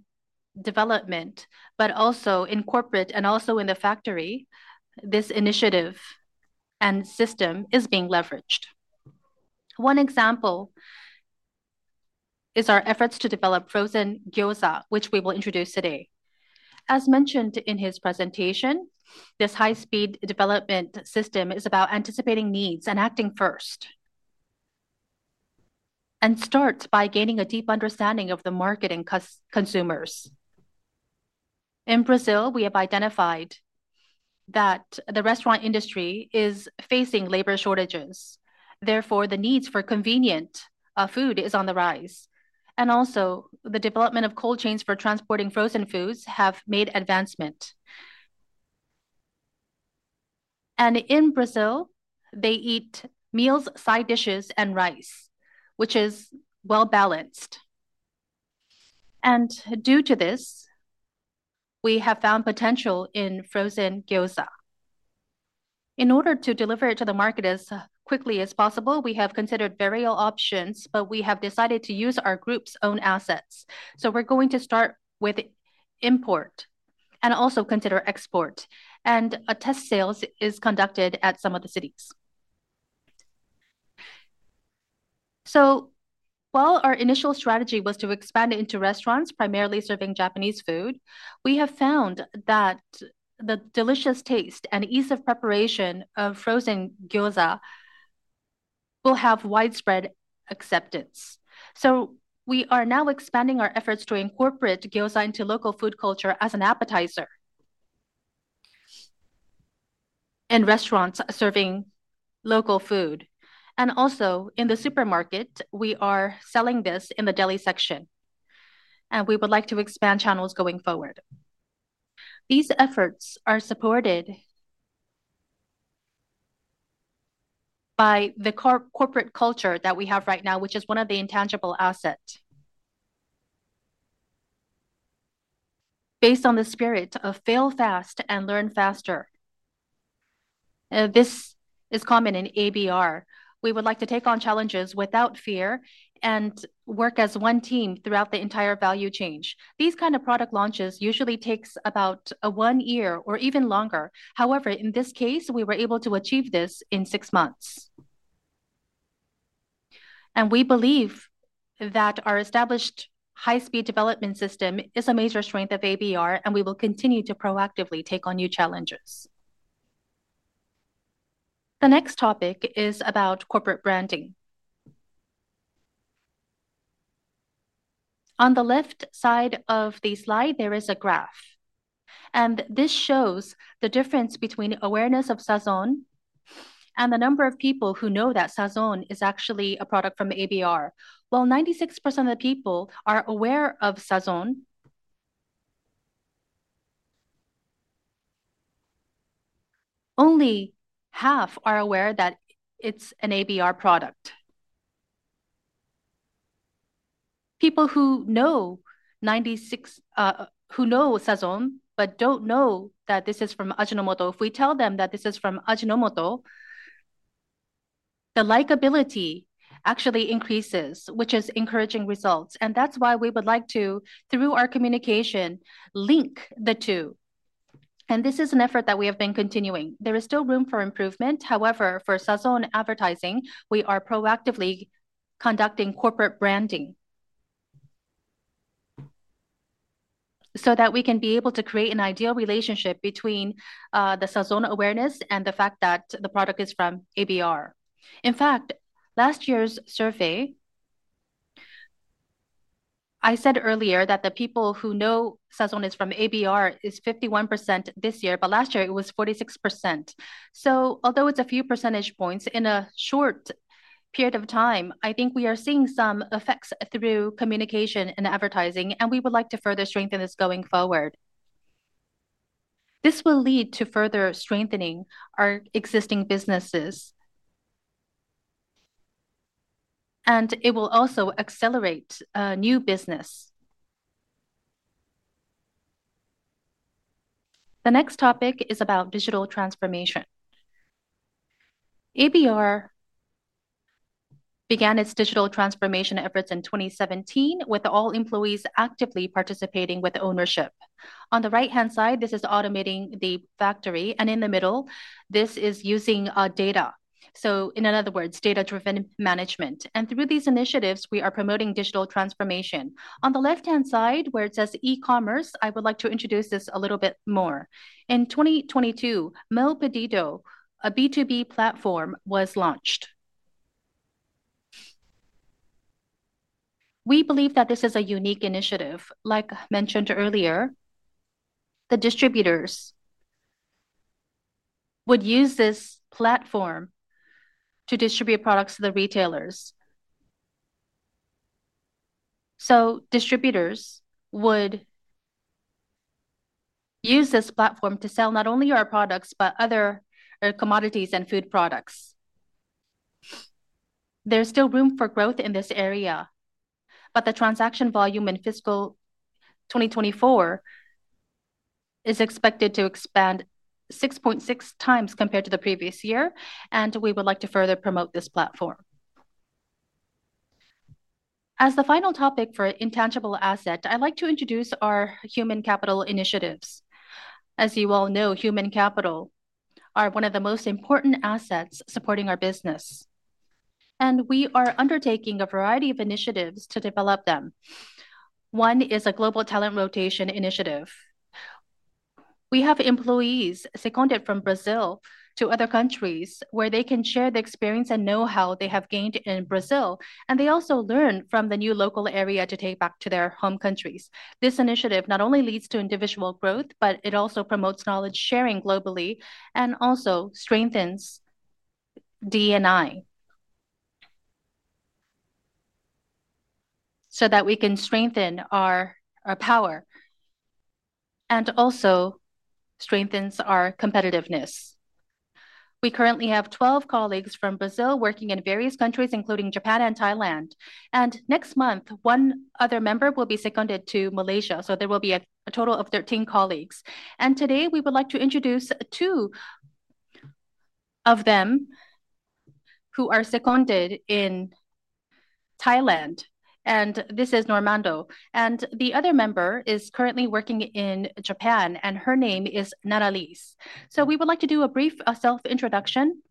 development but also in corporate and also in the factory. This initiative and system is being leveraged. One example is our efforts to develop frozen gyoza which we will introduce today. As mentioned in his presentation, this high speed development system is about anticipating needs and acting first and starts by gaining a deep understanding of the market and consumers in Brazil. We have identified that the restaurant industry is facing labor shortages. Therefore, the needs for convenient food is on the rise. Also, the development of cold chains for transporting frozen foods have made advancement. In Brazil they eat meals, side dishes and rice which is well balanced. Due to this, we have found potential in frozen gyoza. In order to deliver it to the market as quickly as possible, we have considered various options, but we have decided to use our group's own assets. We're going to start with import and also consider export. A test sales is conducted at some of the cities. While our initial strategy was to expand into restaurants primarily serving Japanese food, we have found that the delicious taste and ease of preparation of frozen gyoza will have widespread acceptance. We are now expanding our efforts to incorporate gyoza into local food culture as an appetizer in restaurants serving local food and also in the supermarket. We are selling this in the deli section and we would like to expand channels going forward. These efforts are supported by the corporate culture that we have right now, which is one of the intangible assets based on the spirit of fail fast and learn faster. This is common in ABR. We would like to take on challenges without fear and work as one team throughout the entire value chain. These kind of product launches usually take about one year or even longer. However, in this case we were able to achieve this in six months and we believe that our established high speed development system is a major strength of ABR and we will continue to proactively take on new challenges. The next topic is about corporate branding. On the left side of the slide, there is a graph, and this shows the difference between awareness of Sazón and the number of people who know that Sazón is actually a product from Ajinomoto do Brasil. 96% of the people are aware of Sazón. Only half are aware that it's an Ajinomoto do Brasil product. People who know Sazón but don't know that this is from Ajinomoto. If we tell them that this is from Ajinomoto, the likability actually increases, which is encouraging results. That's why we would like to, through our communication, link the two. This is an effort that we have been continuing. There is still room for improvement. However, for Sazón advertising, we are proactively conducting corporate branding so that we can be able to create an ideal relationship between the Sazón awareness and the fact that the product is from Ajinomoto do Brasil. In fact, last year's survey, I said earlier that the people who know Sazón is from Ajinomoto do Brasil is 51% this year, but last year it was 46%. Although it's a few percentage points in a short period of time, I think we are seeing some effects through communication and advertising, and we would like to further strengthen this going forward. This will lead to further strengthening our existing businesses, and it will also accelerate new business. The next topic is about digital transformation. Ajinomoto do Brasil began its digital transformation efforts in 2017 with all employees actively participating with ownership. On the right-hand side, this is automating the factory, and in the middle, this is using data. In other words, data-driven management. Through these initiatives, we are promoting digital transformation. On the left-hand side, where it says e-commerce, I would like to introduce this a little bit more. In 2022, Melpedido, a B2B platform, was launched. We believe that this is a unique initiative. Like mentioned earlier, the distributors would use this platform to distribute products to the retailers. Distributors would use this platform to sell not only our products but other commodities and food products. There's still room for growth in this area, but the transaction volume in fiscal 2024 is expected to expand 6.6 times compared to the previous year. We would like to further promote this platform. As the final topic for intangible asset, I'd like to introduce our human capital initiatives. As you all know, human capital are one of the most important assets supporting our business, and we are undertaking a variety of initiatives to develop them. One is a global talent rotation initiative. We have employees seconded from Brazil to other countries where they can share the experience and know-how they have gained in Brazil, and they also learn from the new local area to take back to their home countries. This initiative not only leads to individual growth, but it also promotes knowledge sharing globally and also strengthens DNI so that we can strengthen our power and also strengthens our competitiveness. We currently have 12 colleagues from Brazil working in various countries including Japan and Thailand, and next month one other member will be seconded to Malaysia, so there will be a total of 13 colleagues. Today we would like to introduce two of them who are seconded in Thailand, and this is Normando, and the other member is currently working in Japan and her name is Natalies, so we would like to do a brief self-introduction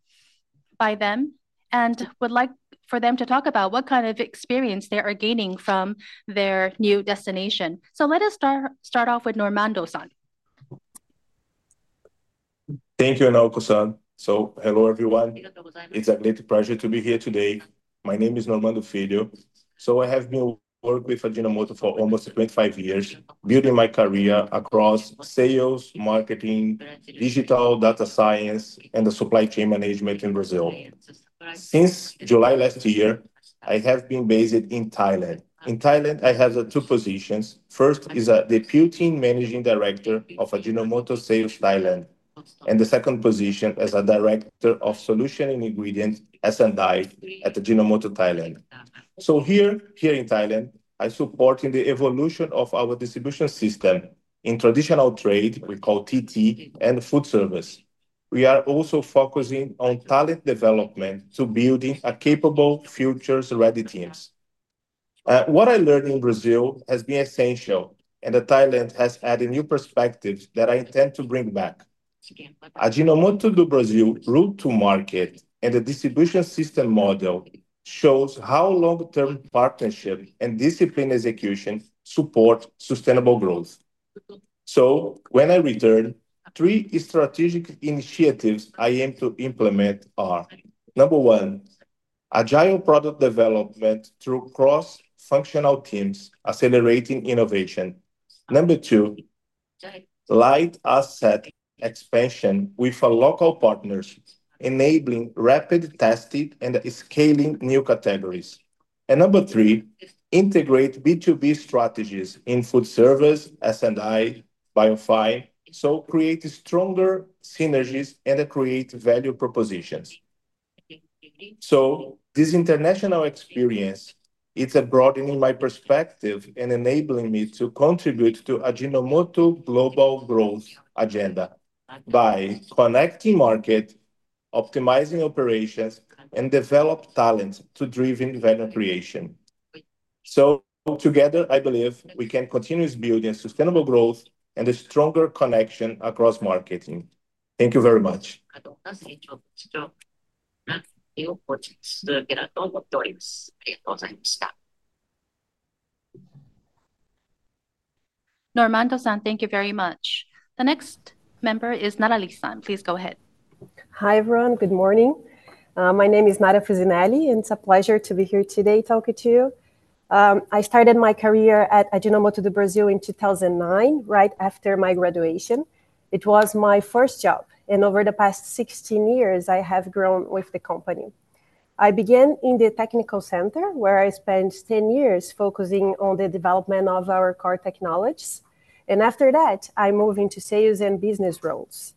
by them and would like for them to talk about what kind of experience they are gaining from their new destination. Let us start off with Normando-san. Thank you. Hello everyone. It's a great pleasure to be here today. My name is Normando Felio. I have been working with Ajinomoto for almost 25 years, building my career across Sales, Marketing, Digital data science, and Supply Chain Management in Brazil. Since July last year, I have been based in Thailand. In Thailand, I have two positions. First is Deputy Managing Director of Ajinomoto Sales Thailand, and the second position is Director of Solution and Ingredients SNI at Ajinomoto Thailand. Here in Thailand, I support the evolution of our distribution system in traditional trade, which we call TT & Food Service. We are also focusing on talent development to build capable, future-ready teams. What I learned in Brazil has been essential, and Thailand has added new perspectives that I intend to bring back. Ajinomoto do Brasil's route to market and distribution system model shows how long-term partnership and disciplined execution support sustainable growth. When I return, three strategic initiatives I aim to implement are: number one, agile product development through cross-functional teams, accelerating innovation; number two, light asset expansion with local partnership enabling rapid testing and scaling of new categories; and number three, integrate B2B strategies in food service, SNI, and bio-fine chemicals to create stronger synergies and create value propositions. This international experience is broadening my perspective and enabling me to contribute to Ajinomoto's global growth agenda by connecting markets, optimizing operations, and developing talents to drive innovation creation. Together, I believe we can continuously build sustainable growth and a stronger connection across marketing. Thank you very much. Normando-san, thank you very much. The next member is Nadalisan. Please go ahead. Hi everyone, good morning. My name is Naoko Yamamoto and it's a pleasure to be here today talking to you. I started my career at Ajinomoto do Brasil in 2009 right after my graduation. It was my first job and over the past 16 years I have grown with the company. I began in the technical center where I spent 10 years focusing on the development of our core technologies, and after that I moved into sales and business roles.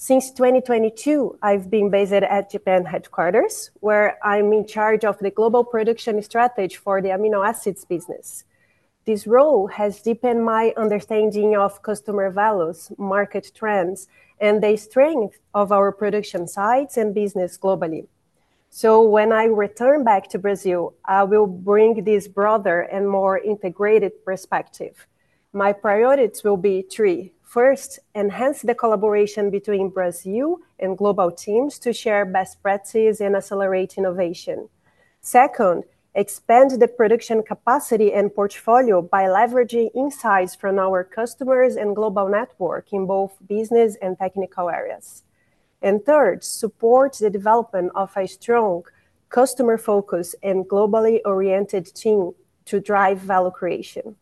Since 2022 I've been based at Japan headquarters where I'm in charge of the global production strategy for the amino acids business. This role has deepened my understanding of customer values, market trends, and the strength of our production sites and business globally. When I return back to Brazil, I will bring this broader and more integrated perspective. My priorities will be three: first, enhance the collaboration between Brazil and global teams to share best practices and accelerate innovation. Second, expand the production capacity and portfolio by leveraging insights from our customers and global network in both business and technical areas, and third, support the development of a strong customer-focused and globally oriented team to drive value creation.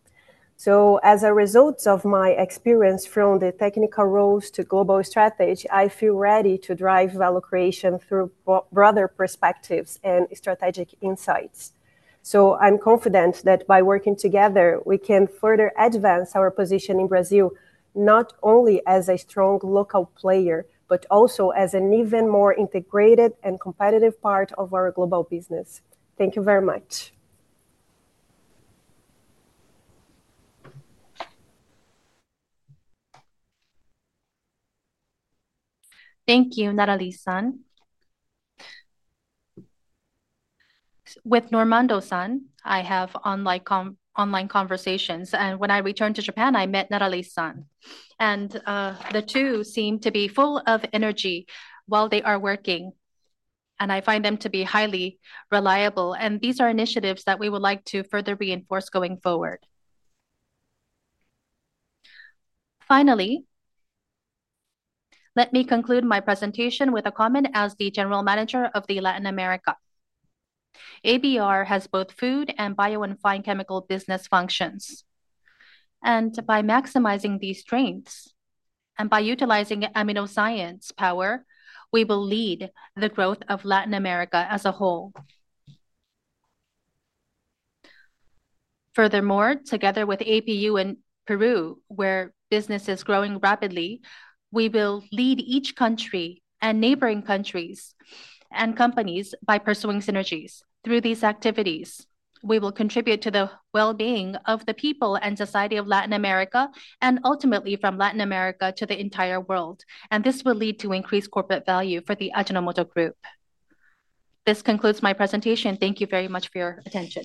As a result of my experience from the technical roles to global strategy, I feel ready to drive value creation through broader perspectives and strategic insights. I'm confident that by working together we can further advance our position in Brazil not only as a strong local player, but also as an even more integrated and competitive part of our global business. Thank you very much. Thank you. Naoko Yamamoto with Ono-san I have online. Come online conversations and when I returned to Japan I met Naoko Yamamoto and the two seem to be full of energy while they are working and I find them to be highly reliable and these are initiatives that we would like to further reinforce going forward. Finally, let me conclude my presentation with a comment. As the General Manager of Latin America, Ajinomoto do Brasil has both food and bio-fine chemical business functions. By maximizing these strengths and by utilizing aminoscience power, we will lead the growth of Latin America as a whole. Furthermore, together with Ajinomoto Peru in Peru where business is growing rapidly, we will lead each country and neighboring countries and companies by pursuing synergies. Through these activities, we will contribute to the well-being of the people and society of Latin America and ultimately from Latin America to the entire world. This will lead to increased corporate value for the Ajinomoto Group. This concludes my presentation. Thank you very much for your attention.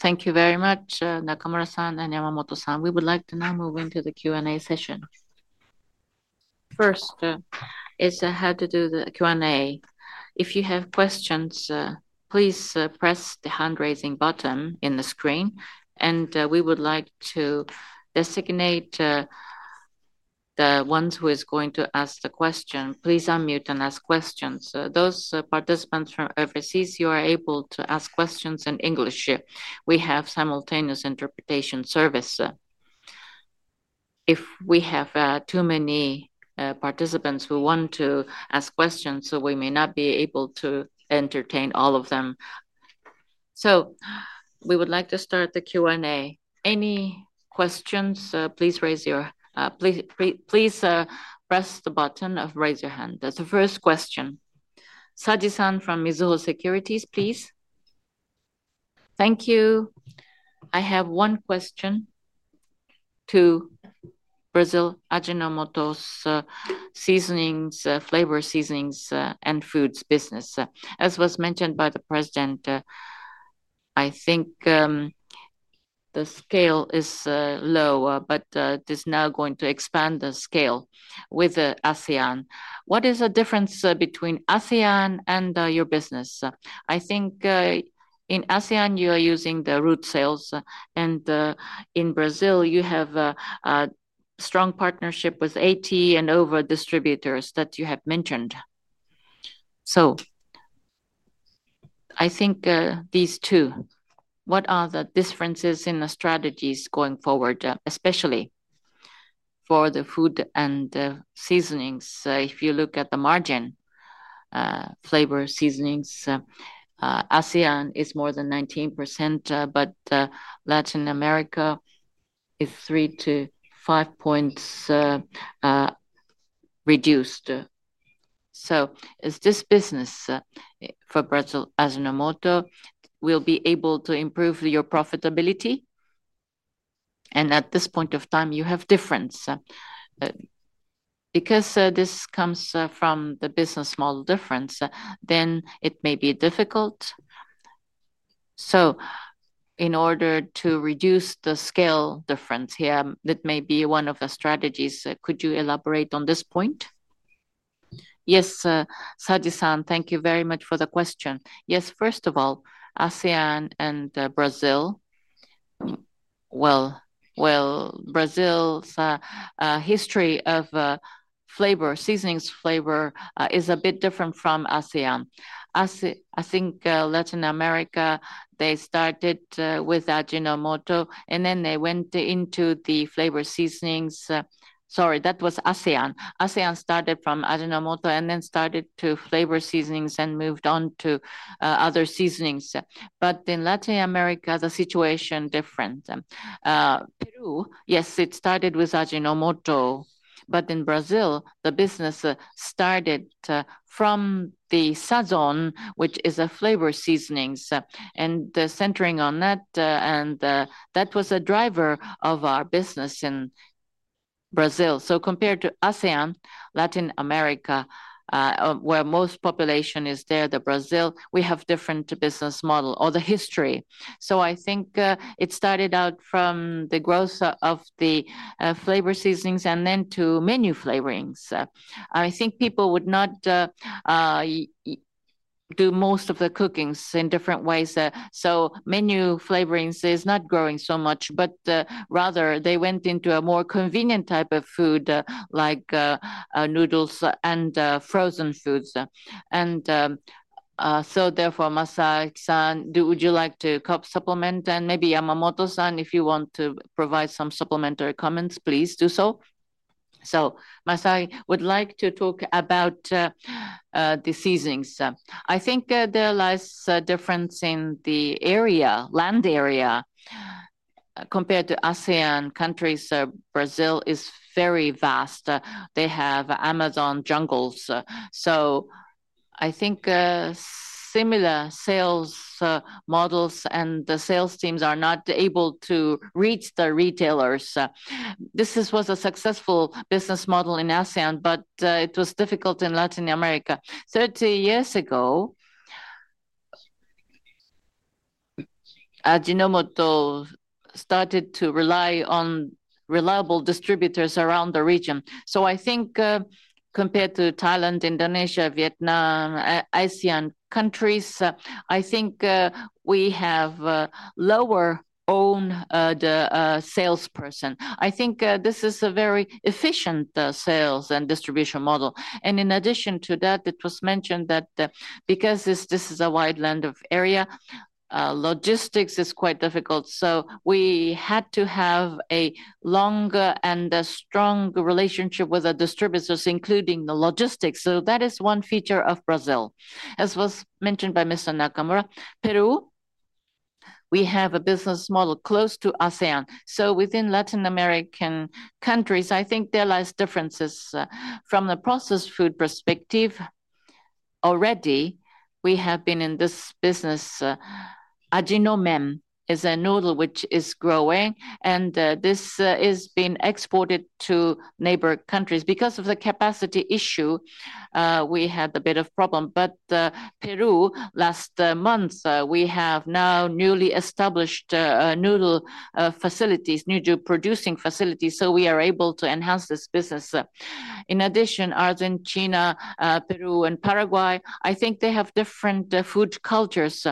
Thank you very much. Nakamura-san and Yamamoto-san. We would like to now move into the Q and A session. First is how to do the Q and A. If you have questions, please press the hand raising button in the screen. We would like to designate the. Ones who is going to ask the question, please unmute and ask questions. Those participants from overseas, you are able to ask questions in English. We have simultaneous interpretation service if we. Have too many participants who want to ask questions. We may not be able to entertain all of them. We would like to start the Q and A. Any questions, please raise your hand. Please. Please press the button. Raise your hand. That's the first question. Sasaki-san from Mizuho Securities, please. Thank you. I have one question to Brazil. Ajinomoto's seasonings, flavor seasonings and foods business, as was mentioned by the President. I. Think the scale is low, but it is now going to expand the scale with ASEAN. What is the difference between ASEAN and your business? I think in ASEAN you are using the route sales, and in Brazil you have strong partnership with AT and over. Distributors that you have mentioned. I think these two. What are the differences in the strategies? Going forward, especially for the food and seasonings? If you look at the margin flavor. Seasonings, ASEAN is more than 19%, but. Latin America is 3 to 5 points reduced. This business for Brazil, Ajinomoto will be able to improve your profitability. At this point of time you. Have difference. Because this comes from the business model difference, it may be difficult. In order to reduce the scale difference here, that may be one of the strategies. Could you elaborate on this point? Yes, Sadisan, thank you very much for the question. First of all, ASEAN and Brazil. Brazil's history of flavor seasonings is a bit different from ASEAN. I think Latin America, they started with Ajinomoto and then they went into the flavor seasonings. Sorry, that was ASEAN. ASEAN started from Ajinomoto and then started to flavor seasonings and moved on to other seasonings. In Latin America the situation is different. Peru, yes, it started with Ajinomoto, but in Brazil the business started from the Tempero Sazon, which is a flavor seasoning, and centering on that, and that was a driver of our business in Brazil. Compared to ASEAN, Latin America, where most population is there, Brazil, we have a different business model or the history. I think it started out from the growth of the flavor seasonings. To menu flavorings. I think people would not do most of the cookings in different ways. Menu flavorings is not growing so much, but rather they went into a more convenient type of food like noodles and frozen foods. Therefore, Masai-san, would you like to supplement? Maybe Yamamoto-san, if you want to provide some supplementary comments, please do so. Masai would like to talk about the seasonings. I think there lies a difference in the area, land area compared to ASEAN countries. Brazil is very vast. They have Amazon jungles. I think similar sales models and the sales teams are not able to reach the retailers. This was a successful business model in ASEAN, but it was difficult in Latin America. Thirty years ago, Ajinomoto started to rely on reliable distributors around the region. I think compared to Thailand, Indonesia, Vietnam, ASEAN countries, I think we have lower own the salesperson. I think this is a very efficient sales and distribution model. In addition to that, it was mentioned that because this is a wide land of area, logistics is quite difficult. We had to have a longer and a strong relationship with the distributors, including the logistics. That is one feature of Brazil. As was mentioned by Mr. Nakamura, Peru, we have a business model close to ASEAN. Within Latin American countries, I think there lies differences from the processed food perspective. Already we have been in this business. Ajinomoto is a noodle which is growing and this is being exported to neighbor countries. Because of the capacity issue, we had a bit of problem. Peru, last month we have now newly established noodle facilities, new jewel producing facilities. We are able to enhance this business. In addition, Argentina, Peru, and Paraguay, I think they have different, different food cultures.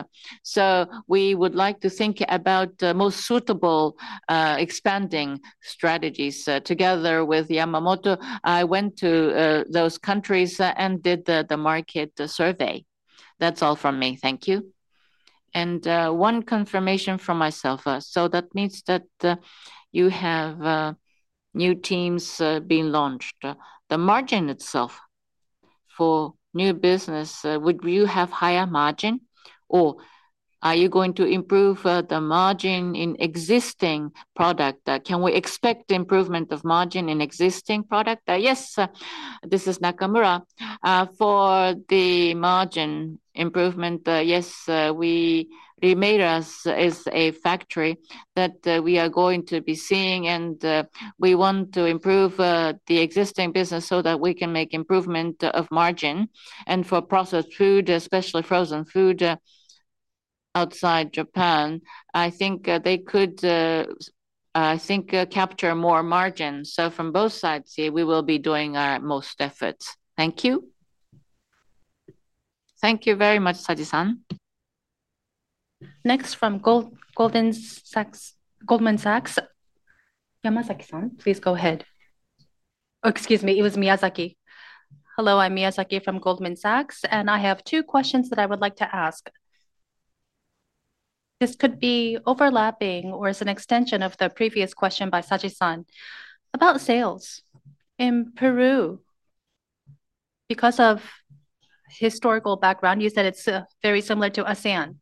We would like to think about the most suitable expanding strategies. Together with Yamamoto, I went to those countries and did the market survey. That's all from me. Thank you. One confirmation from myself. That means that you have new teams being launched. The margin itself for new business would. You have higher margin or are you. Going to improve the margin in existing product? Can we expect improvement of margin in existing product? Yes, this is Nakamura for the margin improvement. Yes, Remedas is a factory that we are going to be seeing and we want to improve the existing business so that we can make improvement of margin. For processed food, especially frozen food outside Japan, I think they could, I think, capture more margins. From both sides we will be doing our most efforts. Thank you. Thank you very much. Sajiku next from. Goldman Sachs. Please go ahead. Excuse me, it was Miyazaki. Hello, I'm Miyazaki from Goldman Sachs and I have two questions that I would like to ask. This could be overlapping or is an extension of the previous question by Sajisan about sales in Peru. Because of historical background, you said it's very similar to ASEAN.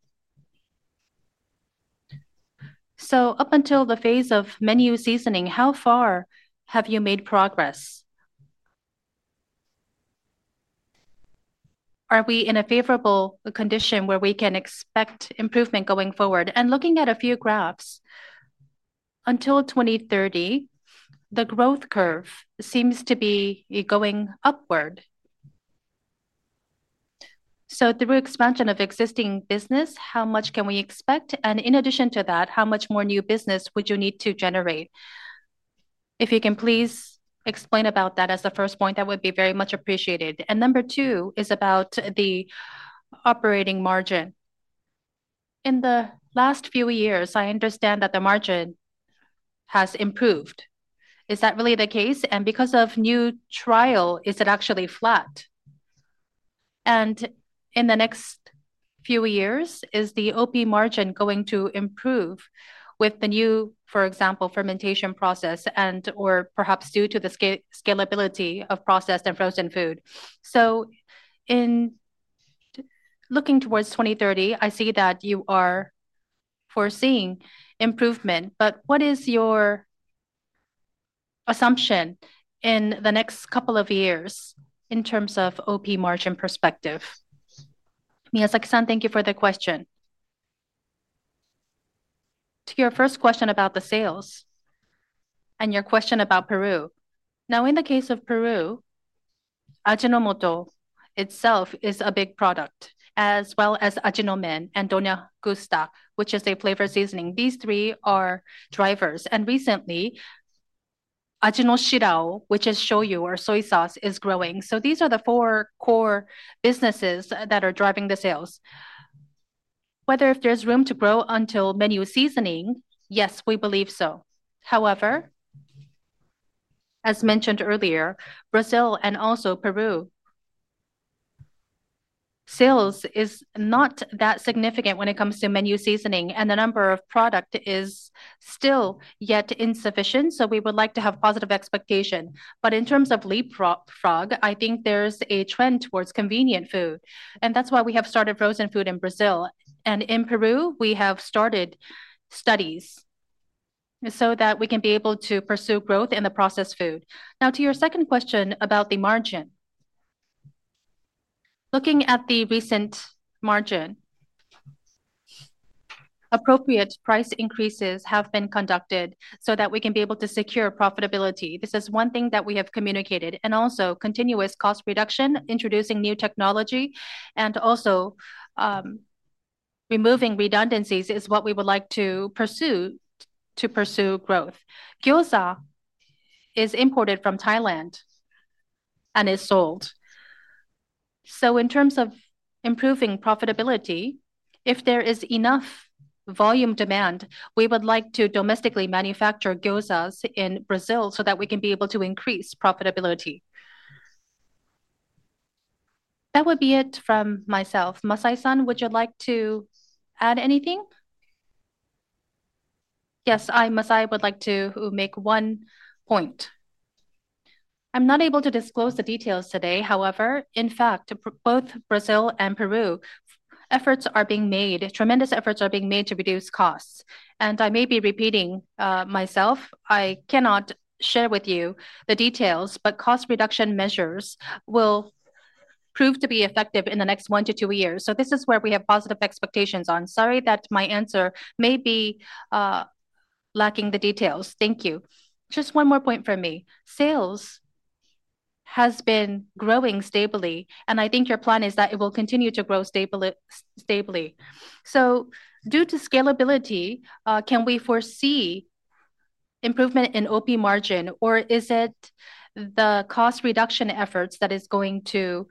Up until the phase of menu seasoning, how far have you made progress? Are we in a favorable condition where we can expect improvement going forward? Looking at a few graphs until 2030, the growth curve seems to be going upward. Through expansion of existing business, how much can we expect? In addition to that, how much more new business would you need to generate? If you can please explain about that as the first point, that would be very much appreciated. Number two is about the operating margin. In the last few years, I understand that the margin has improved. Is that really the case? Because of new trial, is it actually flat? In the next few years, is the OP margin going to improve with the new, for example, fermentation process and or perhaps due to the scalability of processed and frozen food? In looking towards 2030, I see that you are foreseeing improvement. What is your assumption in the next couple of years in terms of OP margin perspective? Thank you for the question. To your first question about the sales and your question about Peru. In the case of Peru, Ajinomoto itself is a big product. As well as Ajinomen and Donya Gusta, which is a flavor seasoning, these three are drivers. Recently, Ajino Shirao, which is Shoyu or soy sauce, is growing. These are the four core businesses that are driving the sales. Whether if there's room to grow until menu seasoning, yes, we believe so. However, as mentioned earlier, Brazil and also. Peru. Sales is not that significant when it comes to menu seasoning. The number of product is still yet insufficient. We would like to have positive expectation. In terms of leapfrog, I think there's a trend towards convenient food, and that's why we have started frozen food in Brazil. In Peru, we have started studies so that we can be able to pursue growth in the processed food. Now to your second question about the margin. Looking at the recent margin, appropriate price increases have been conducted so that we can be able to secure profitability. This is one thing that we have communicated, and also continuous cost reduction, introducing new technology, and also removing redundancies is what we would like to pursue to pursue growth. Gyoza is imported from Thailand and is sold. In terms of improving profitability, if there is enough volume demand, we would like to domestically manufacture gyozas in Brazil so that we can be able to increase profitability. That would be it from myself. Masai-san, would you like to add anything? Yes, I, Masai, would like to make one point. I'm not able to disclose the details today. However, in fact, both Brazil and Peru efforts are being made. Tremendous efforts are being made to reduce costs, and I may be repeating myself. I cannot share with you the details, but cost reduction measures will prove to be effective in the next one to two years. This is where we have positive expectations on. Sorry that my answer may be lacking the details. Thank you. Just one more point. For me, sales has been growing stably, and I think your plan is that it will continue to grow stably. Due to scalability, can we foresee improvement in OP margin, or is it the cost reduction efforts that is going to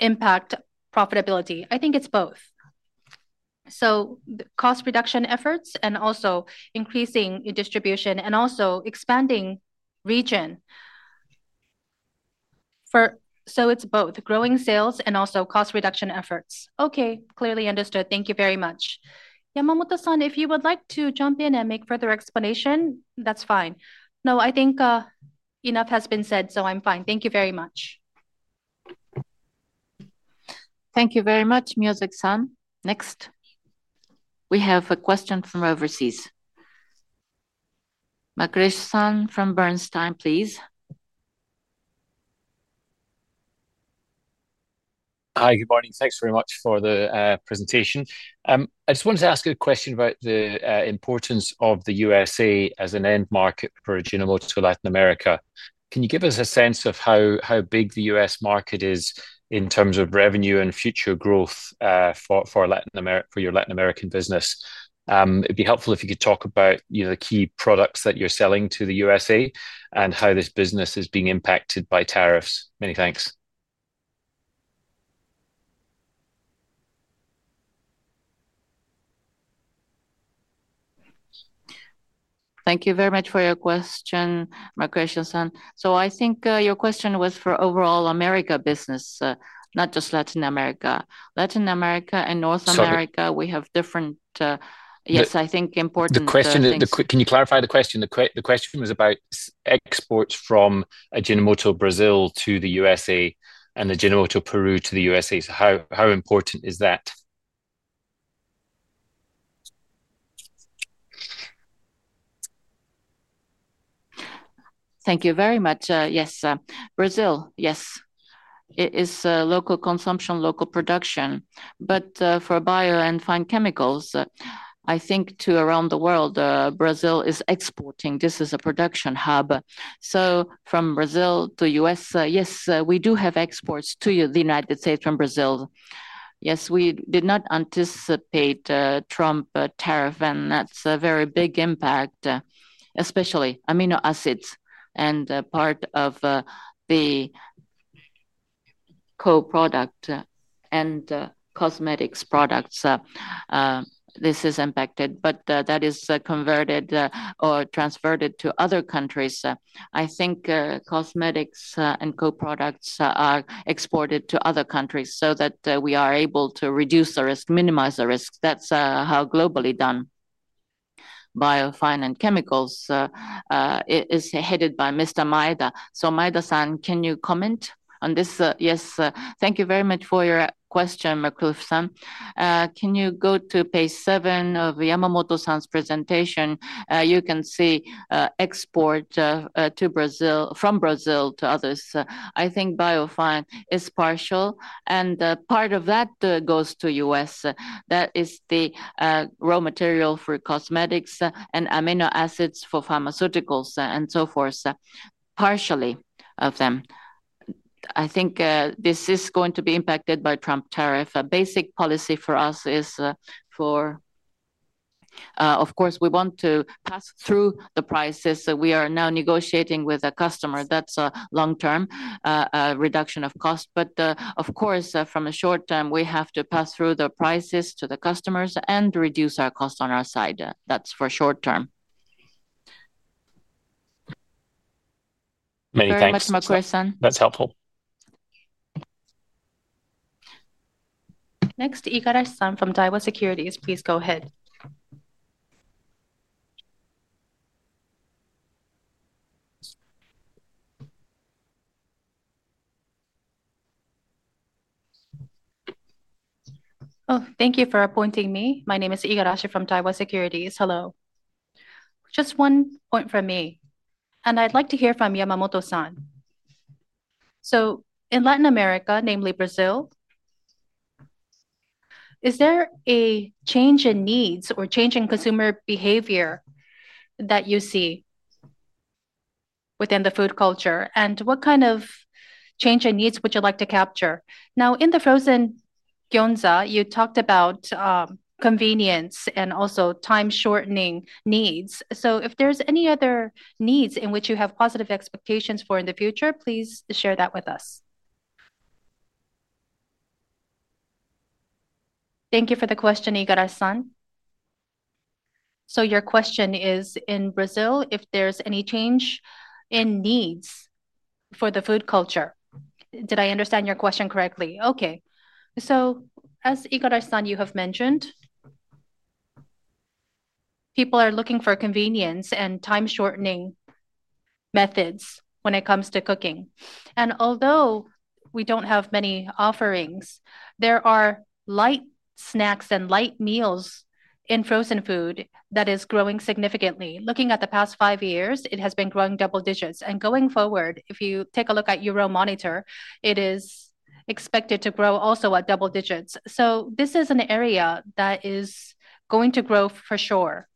impact profitability? I think it's both. Cost reduction efforts and also increasing distribution and also expanding region. It's both growing sales and also cost reduction effort. Okay, clearly understood. Thank you very much. If you would like to jump in and make further explanation, that's fine. No, I think enough has been said, so I'm fine. Thank you very much. Thank you very much. Music. Next, we have a question from overseas. McLeish-san from Sanford C. Bernstein & Co., please. Hi, good morning. Thanks very much for the presentation. I just wanted to ask a question about the importance of the USA as an end market for Ajinomoto Latin America. Can you give us a sense of how big the U.S. market is in terms of revenue and future growth for your Latin American business? It'd be helpful if you could talk about the key products that you're selling to the USA and how this business is being impacted by tariffs. Many thanks. Thank you very much for your question. Markerson, I think your question was for overall America business, not just Latin America. Latin America and North America, we have different. Yes, I think important. The question. Can you clarify the question? The question was about exports from Ajinomoto do Brasil to the U.S. and Ajinomoto Peru to the U.S. How important is that? Thank you very much. Yes, Brazil, yes, it is local consumption, local production. For bio-fine chemicals, I think to around the world, Brazil is exporting. This is a production hub. From Brazil to us, yes, we do have exports to the United States from Brazil. We did not anticipate Trump tariff, and that's a very big impact, especially amino acids and part of the co-product and cosmetics products. This is impacted, but that is converted or transferred to other countries. I think cosmetics and co-products are exported to other countries so that we. Are able to reduce the risk, minimize the risk. That's how globally done bio-fine chemicals is headed by Mr. Maeda. Maeda-san, can you comment on this? Yes, thank you very much for your question. Can you go to page seven of Yamamoto-san's presentation? You can see export to Brazil, from Brazil to others. I think bio-fine is partial and part of that goes to us. That is the raw material for cosmetics. Amino acids for pharmaceuticals and so forth, partially of them. I think this is going to be impacted by Trump tariff. A basic policy for us is, of course, we want to pass through the prices. We are now negotiating with a customer. That's a long-term reduction of cost. Of course, from a short time we have to pass through the prices. To the customers and reduce our cost on our side. That's for short term. That's helpful. Next, Igarashi-san from Daiwa Securities. Please go ahead. Thank you for appointing me. My name is Igarashi from Daiwa Securities. Hello. Just one point from me and I'd like to hear from Yamamoto-san. In Latin America, namely Brazil, is there a change in needs or change in consumer behavior that you see within the food culture? What kind of change and needs would you like to capture now? In the frozen Gyoza you talked about convenience and also time shortening needs. If there's any other needs in which you have positive expectations for in the future, please share that with us. Thank you for the question. Igarashi-san, your question is in Brazil if there's any change in needs for the food culture. Did I understand your question correctly? As Igarashi-san mentioned, people are looking for convenience and time shortening methods when it comes to cooking. Although we don't have many offerings, there are light snacks and light meals in frozen food that are growing significantly. Looking at the past five years, it has been growing double digits. Going forward, if you take a look at Euromonitor, it is expected to grow also at double digits. This is an area that is going to grow for sure.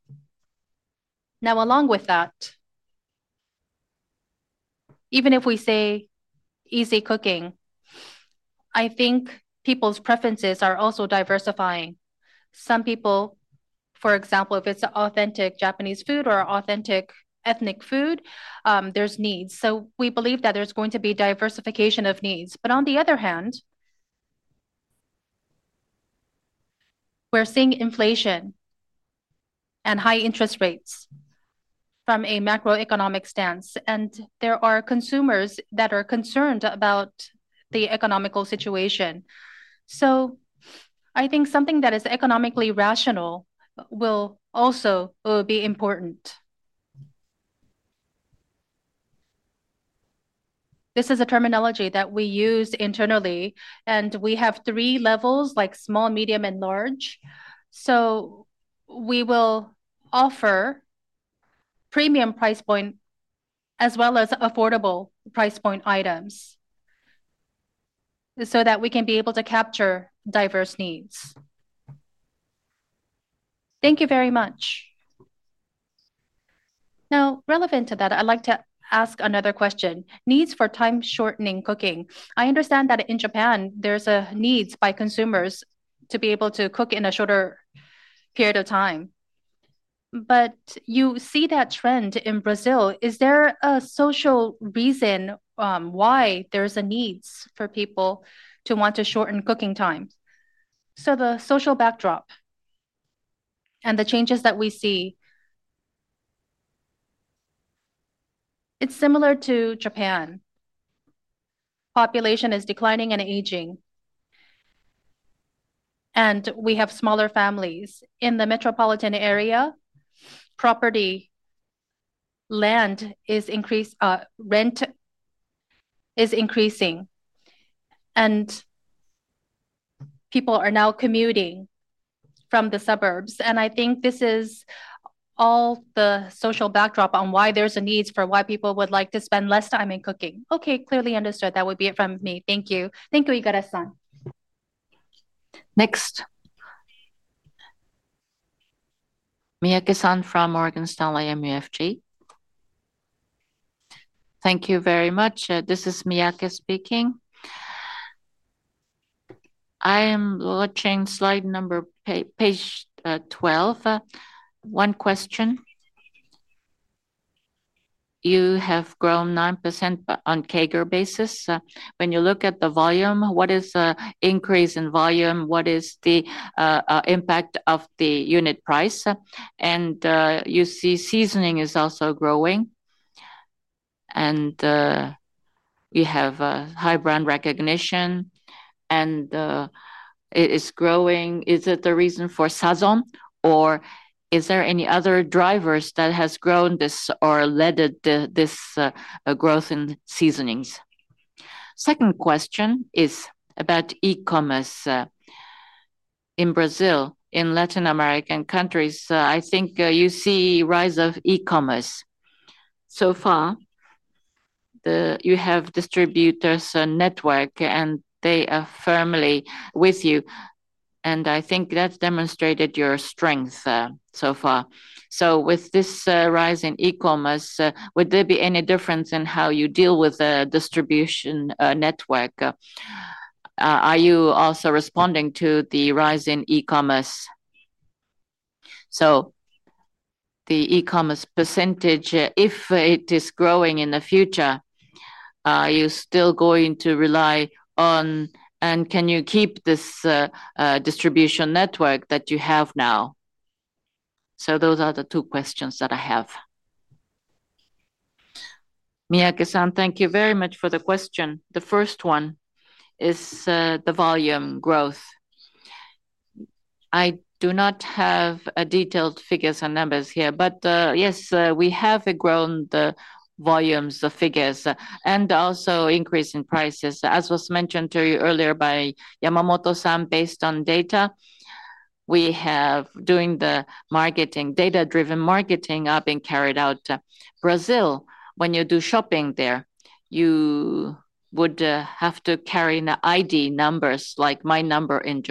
Along with that, even if we say easy cooking, I think people's preferences are also diversifying. Some people, for example, if it's authentic Japanese food or authentic ethnic food, there's needs. We believe that there's going to be diversification of needs. On the other hand, we're seeing inflation and high interest rates from a macroeconomic stance. There are consumers that are concerned about the economical situation. I think something that is economically rational will also be important. This is a terminology that we use internally and we have three levels like small, medium, and large. We will offer premium price point as well as affordable price point items so that we can be able to capture diverse needs. Thank you very much. Now relevant to that, I'd like to ask another question. Needs for time shortening cooking. I understand that in Japan there's a needs by consumers to be able to cook in a shorter period of time. Do you see that trend in Brazil? Is there a social reason why there's a needs for people to want to shorten cooking time? The social backdrop and the changes that we see, it's similar to Japan. Population is declining and aging and we have smaller families in the metropolitan area. Property land is increased, rent is increasing and people are now commuting from the suburbs. I think this is all the social backdrop on why there's a needs for why people would like to spend less time in cooking. Clearly understood. That would be it from me. Thank you. Thank you. Igarashi-san next. Haruka Miyake from Organ style MUFG. Thank you very much. This is Haruka Miyake speaking. I am watching slide number page 12. One question. You have grown 9% on CAGR basis. When you look at the volume, what is the increase in volume? What is the impact of the unit price? You see seasoning is also growing and we have high brand recognition and it is growing. Is it the reason for Tempero Sazon or is there any other drivers that has grown this or led this growth in seasonings? Second question is about e-commerce in Brazil. In Latin American countries, I think you see rise of e-commerce so far. You have distributors network and they are firmly with you. I think that's demonstrated your strength so far. With this rise in e-commerce, would there be any difference in how you deal with the distribution network? Are you also responding to the rise in e-commerce? The e-commerce percentage, if it is growing in the future, you're still going to rely on and can you keep this distribution network that you have now? Those are the two questions that I have. Miyake-san, thank you very much for the question. The first one is the volume growth. I do not have detailed figures and numbers here, but yes, we have grown volumes, the figures, and also increase in prices. As was mentioned to you earlier by Yamamoto-san, based on data we have doing the marketing. Data-driven marketing are being carried out in Brazil. When you do shopping there, you would have to carry an ID numbers like. My number in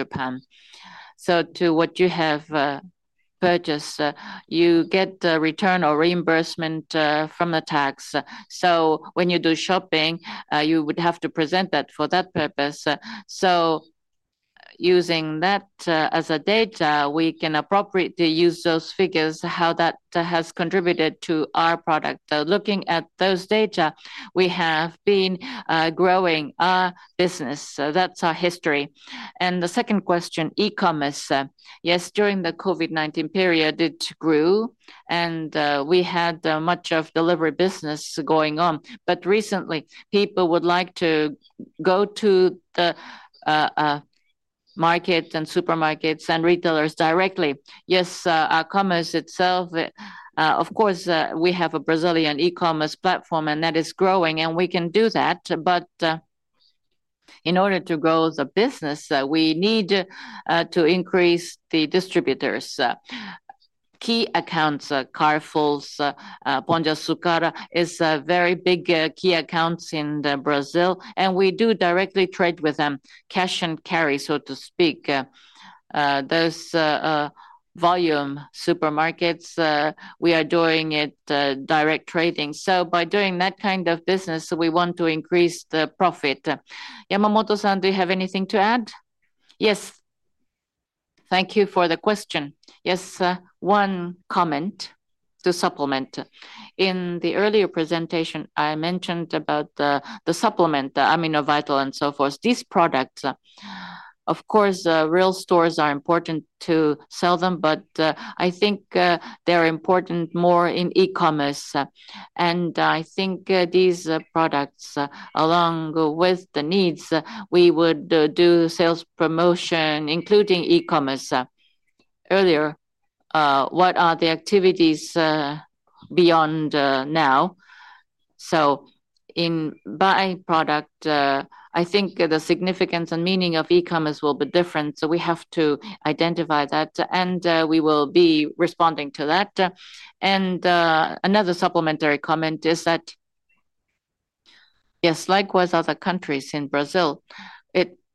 Japan. To what you have purchased, you get return or reimbursement from the tax. When you do shopping, you would have to present that for that purpose. Using that as data, we can appropriately use those figures. How that has contributed to our product. Looking at those data, we have been growing our business. That's our history. The second question, e-commerce. Yes, during the COVID-19 period it grew and we had much of delivery business going on. Recently, people would like to go to the market and supermarkets and retailers directly. Yes, our commerce itself, of course, we have a Brazilian e-commerce platform and that is growing and we can do that. In order to grow the business, we need to increase the distributors' key accounts. Carrefour's Ponja Sukara is very big key. Accounts in Brazil and we do. Directly trade with them. Cash and carry, so to speak, those volume supermarkets. We are doing it direct trading. By doing that kind of business, we want to increase the profit. Yamamoto-san, do you have anything to add? Yes, thank you for the question. Yes, one comment to supplement. In the earlier presentation, I mentioned about the supplement, the amino vital and so forth. These products, of course, real stores are important to sell them, but I think they're important more in e-commerce. I think these products, along with the needs, we would do sales promotion including e-commerce earlier. What are the activities beyond now? In byproduct, I think the significance and meaning of e-commerce will be different. We have to identify that and we will be responding to that. Another supplementary comment is that, yes, likewise, other countries in Brazil,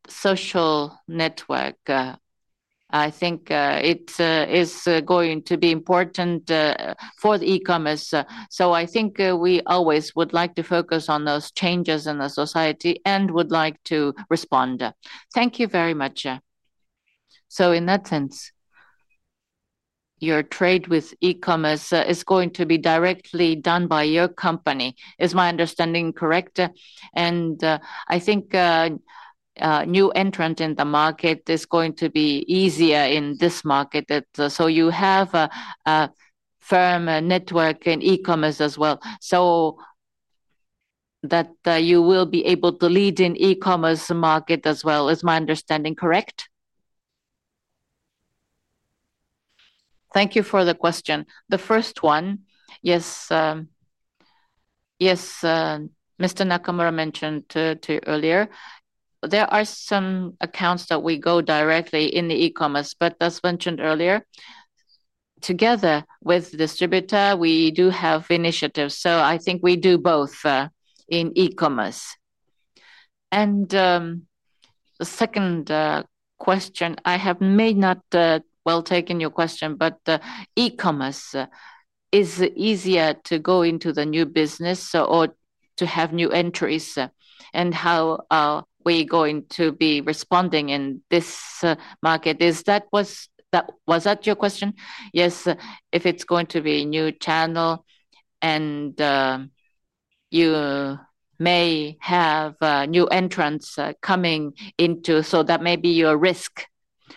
social network, I think it is going to be important for the e-commerce. I think we always would like to focus on those changes in society and would like to respond. Thank you very much. In that sense, your trade with e-commerce is going to be directly done by your company. Is my understanding correct? I think new entrant in the market is going to be easier in this market. You have a firm network in e-commerce as well, so that you will be able to lead in e-commerce market as well. Is my understanding correct? Thank you for the question. The first one. Yes, yes. Mr. Nakamura mentioned to you earlier there are some accounts that we go directly in the e-commerce, but as mentioned earlier, together with distributor we do have initiatives. I think we do both in e-commerce. The second question I have may not well taken your question, but e-commerce is easier to go into the new business or to have new entries and how we going to be responding in this market? Is that what was that your question? Yes, if it's going to be new channel and you may have new entrants coming into, that may be your risk,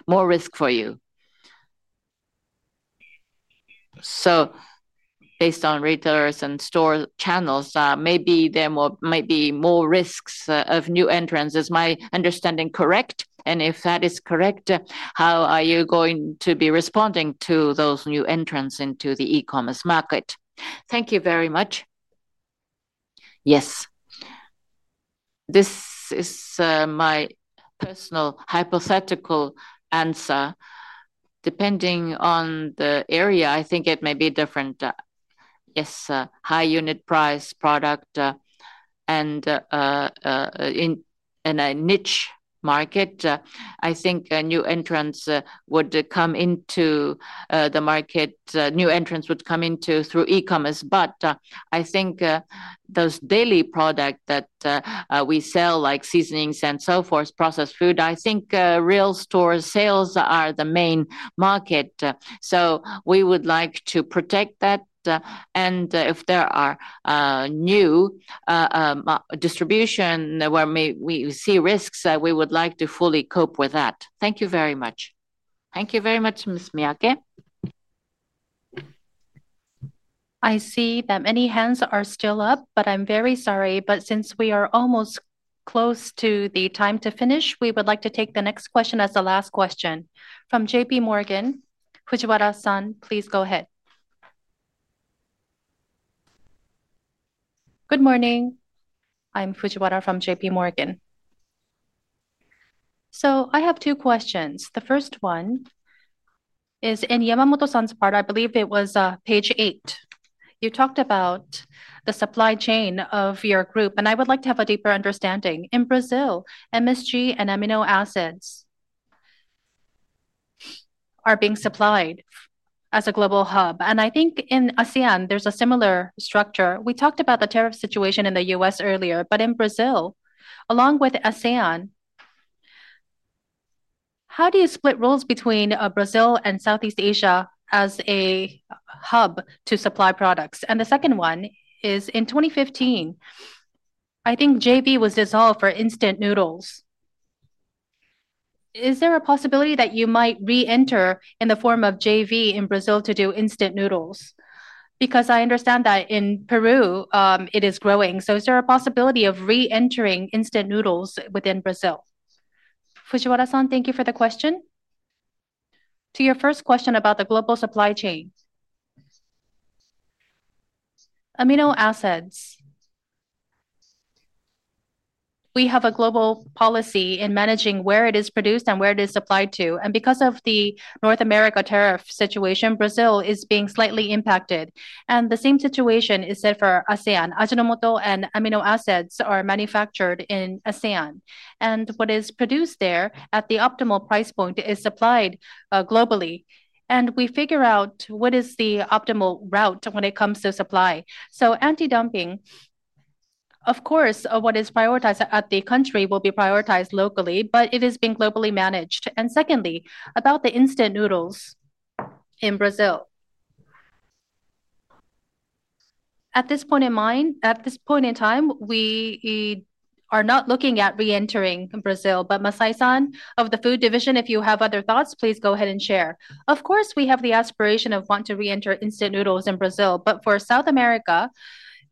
more risk for you. Based on retailers and store channels, maybe there might be more risks of new entrants. Is my understanding correct? If that is correct, how are you going to be responding to those new entrants into the e-commerce market? Thank you very much. Yes, this is my personal hypothetical answer. Depending on the area, I think it may be different. Yes. High unit price product and in a niche market, I think new entrants would come into the market. New entrants would come into through e-commerce. I think those daily products that we sell like seasonings and so forth, processed food, real stores sales are the main market. We would like to protect that. If there are new distribution where we see risks, we would like to fully cope with that. Thank you very much. Thank you very much. Ms. Miyake. I see that many hands are still up, but I'm very sorry but since we are almost close to the time to finish, we would like to take the next question as the last question from JPMorgan Securities. Fujiwara-san, please go ahead. Good morning, I'm Satoshi Fujiwara from JPMorgan Securities. I have two questions. The first one is in Yamamoto-san's part, I believe it was page eight. You talked about the supply chain of your group and I would like to have a deeper understanding. In Brazil, MSG and amino acids are being supplied as a global hub. I think in ASEAN there's a similar structure. We talked about the tariff situation in the U.S. earlier, but in Brazil along with ASEAN, how do you split roles between Brazil and Southeast Asia as a hub to supply products? The second one is in 2015, I think the JV was dissolved for instant noodles. Is there a possibility that you might reenter in the form of a JV in Brazil to do instant noodles? I understand that in Peru it is growing. Is there a possibility of reentering instant noodles within Brazil? Fujiwara-san, thank you for the question. To your first question about the global supply chain amino acids, we have a global policy in managing where it is produced and where it is supplied to. Because of the North America tariff situation, Brazil is being slightly impacted and the same situation is said for ASEAN. Ajinomoto and amino acids are manufactured in ASEAN and what is produced there at the optimal price point is supplied globally and we figure out what is the optimal route when it comes to supply. Anti-dumping, of course, what is prioritized at the country will be prioritized locally, but it is being globally managed. Secondly, about the instant noodles in Brazil, at this point in time we are not looking at reentering Brazil, but Masai-san of the food division, if you have other thoughts, please go ahead and share. Of course, we have the aspiration of wanting to reenter instant noodles in Brazil, but for South America,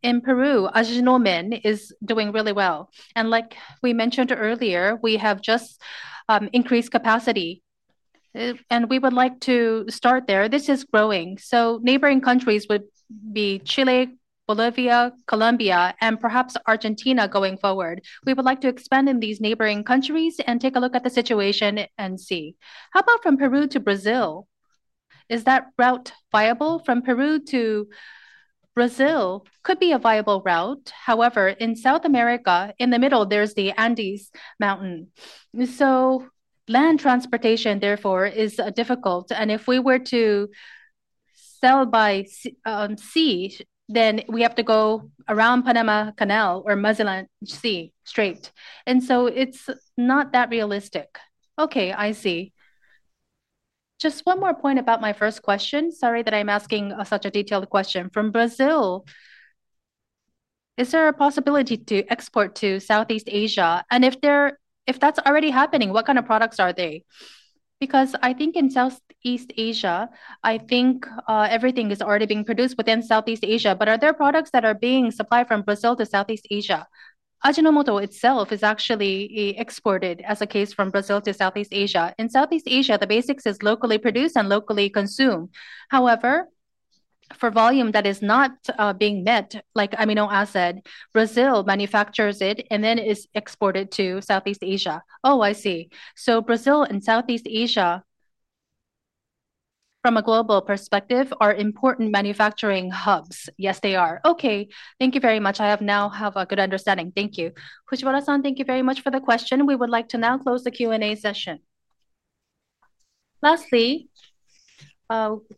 in Peru Ajinomen is doing really well and like we mentioned earlier, we have just increased capacity and we would like to start there. This is growing. Neighboring countries would be Chile, Bolivia, Colombia, and perhaps Argentina. Going forward, we would like to expand in these neighboring countries and take a look at the situation and see. How about from Peru to Brazil, is that route viable? From Peru to Brazil could be a viable route. However, in South America in the middle there's the Andes mountain. Land transportation therefore is difficult. If we were to sell by sea, then we have to go around Panama Canal or Mazalan Sea Strait, and it's not that realistic. Okay, I see. Just one more point about my first question. Sorry that I'm asking such a detailed question. From Brazil, is there a possibility to export to Southeast Asia? If there, if that's already happening, what kind of products are they? Because I think in Southeast Asia, I think everything is already being produced within Southeast Asia. Are there products that are being supplied from Brazil to Southeast Asia? Ajinomoto itself is actually exported as a case from Brazil to Southeast Asia. In Southeast Asia, the basics is locally produced and locally consumed. However, for volume that is not being met, like amino acid, Brazil manufactures it and then is exported to Southeast Asia. Oh, I see. Brazil and Southeast Asia from a global perspective are important manufacturing hubs. Yes, they are. Okay, thank you very much. I now have a good understanding. Thank you. Thank you very much for the question. We would like to now close the Q and A session. Lastly,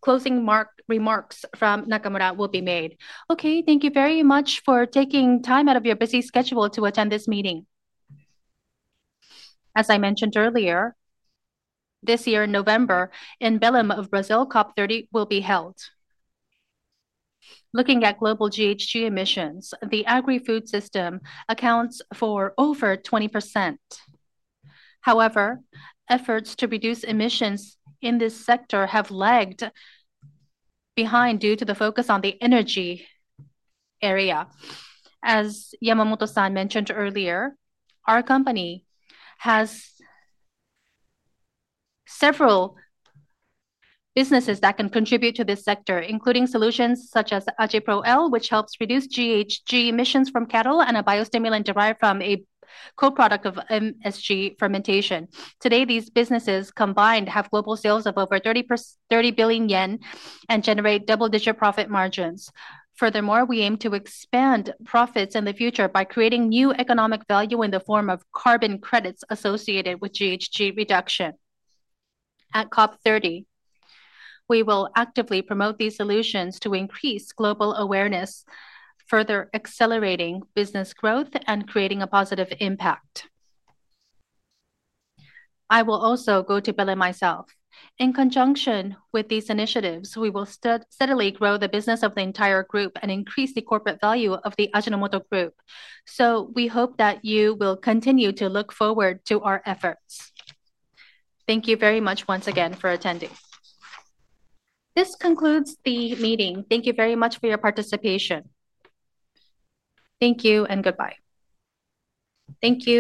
closing remarks from Nakamura will be made. Okay. Thank you very much for taking time out of your busy schedule to attend this meeting. As I mentioned earlier, this year, November in Belem, Brazil, COP30 will be held. Looking at global GHG emissions, the agri food system accounts for over 20%. However, efforts to reduce emissions in this sector have lagged behind due to the focus on the energy area. As Yamamoto-san mentioned earlier, our company. Has. Several businesses that can contribute to this sector including solutions such as Agipro L, which helps reduce GHG emissions from cattle, and a biostimulant derived from HD, a co-product of MSG fermentation. Today, these businesses combined have global sales of over ¥30 billion and generate double-digit profit margins. Furthermore, we aim to expand profits in the future by creating new economic value in the form of carbon credits associated with GHG reduction. At COP30, we will actively promote these solutions to increase global awareness, further accelerating business growth and creating a positive impact. I will also go to Belem myself. In conjunction with these initiatives, we will steadily grow the business of the entire group and increase the corporate value of the Ajinomoto Group. We hope that you will continue to look forward to our efforts. Thank you very much once again for attending. This concludes the meeting. Thank you very much for your participation. Thank you and goodbye. Thank you.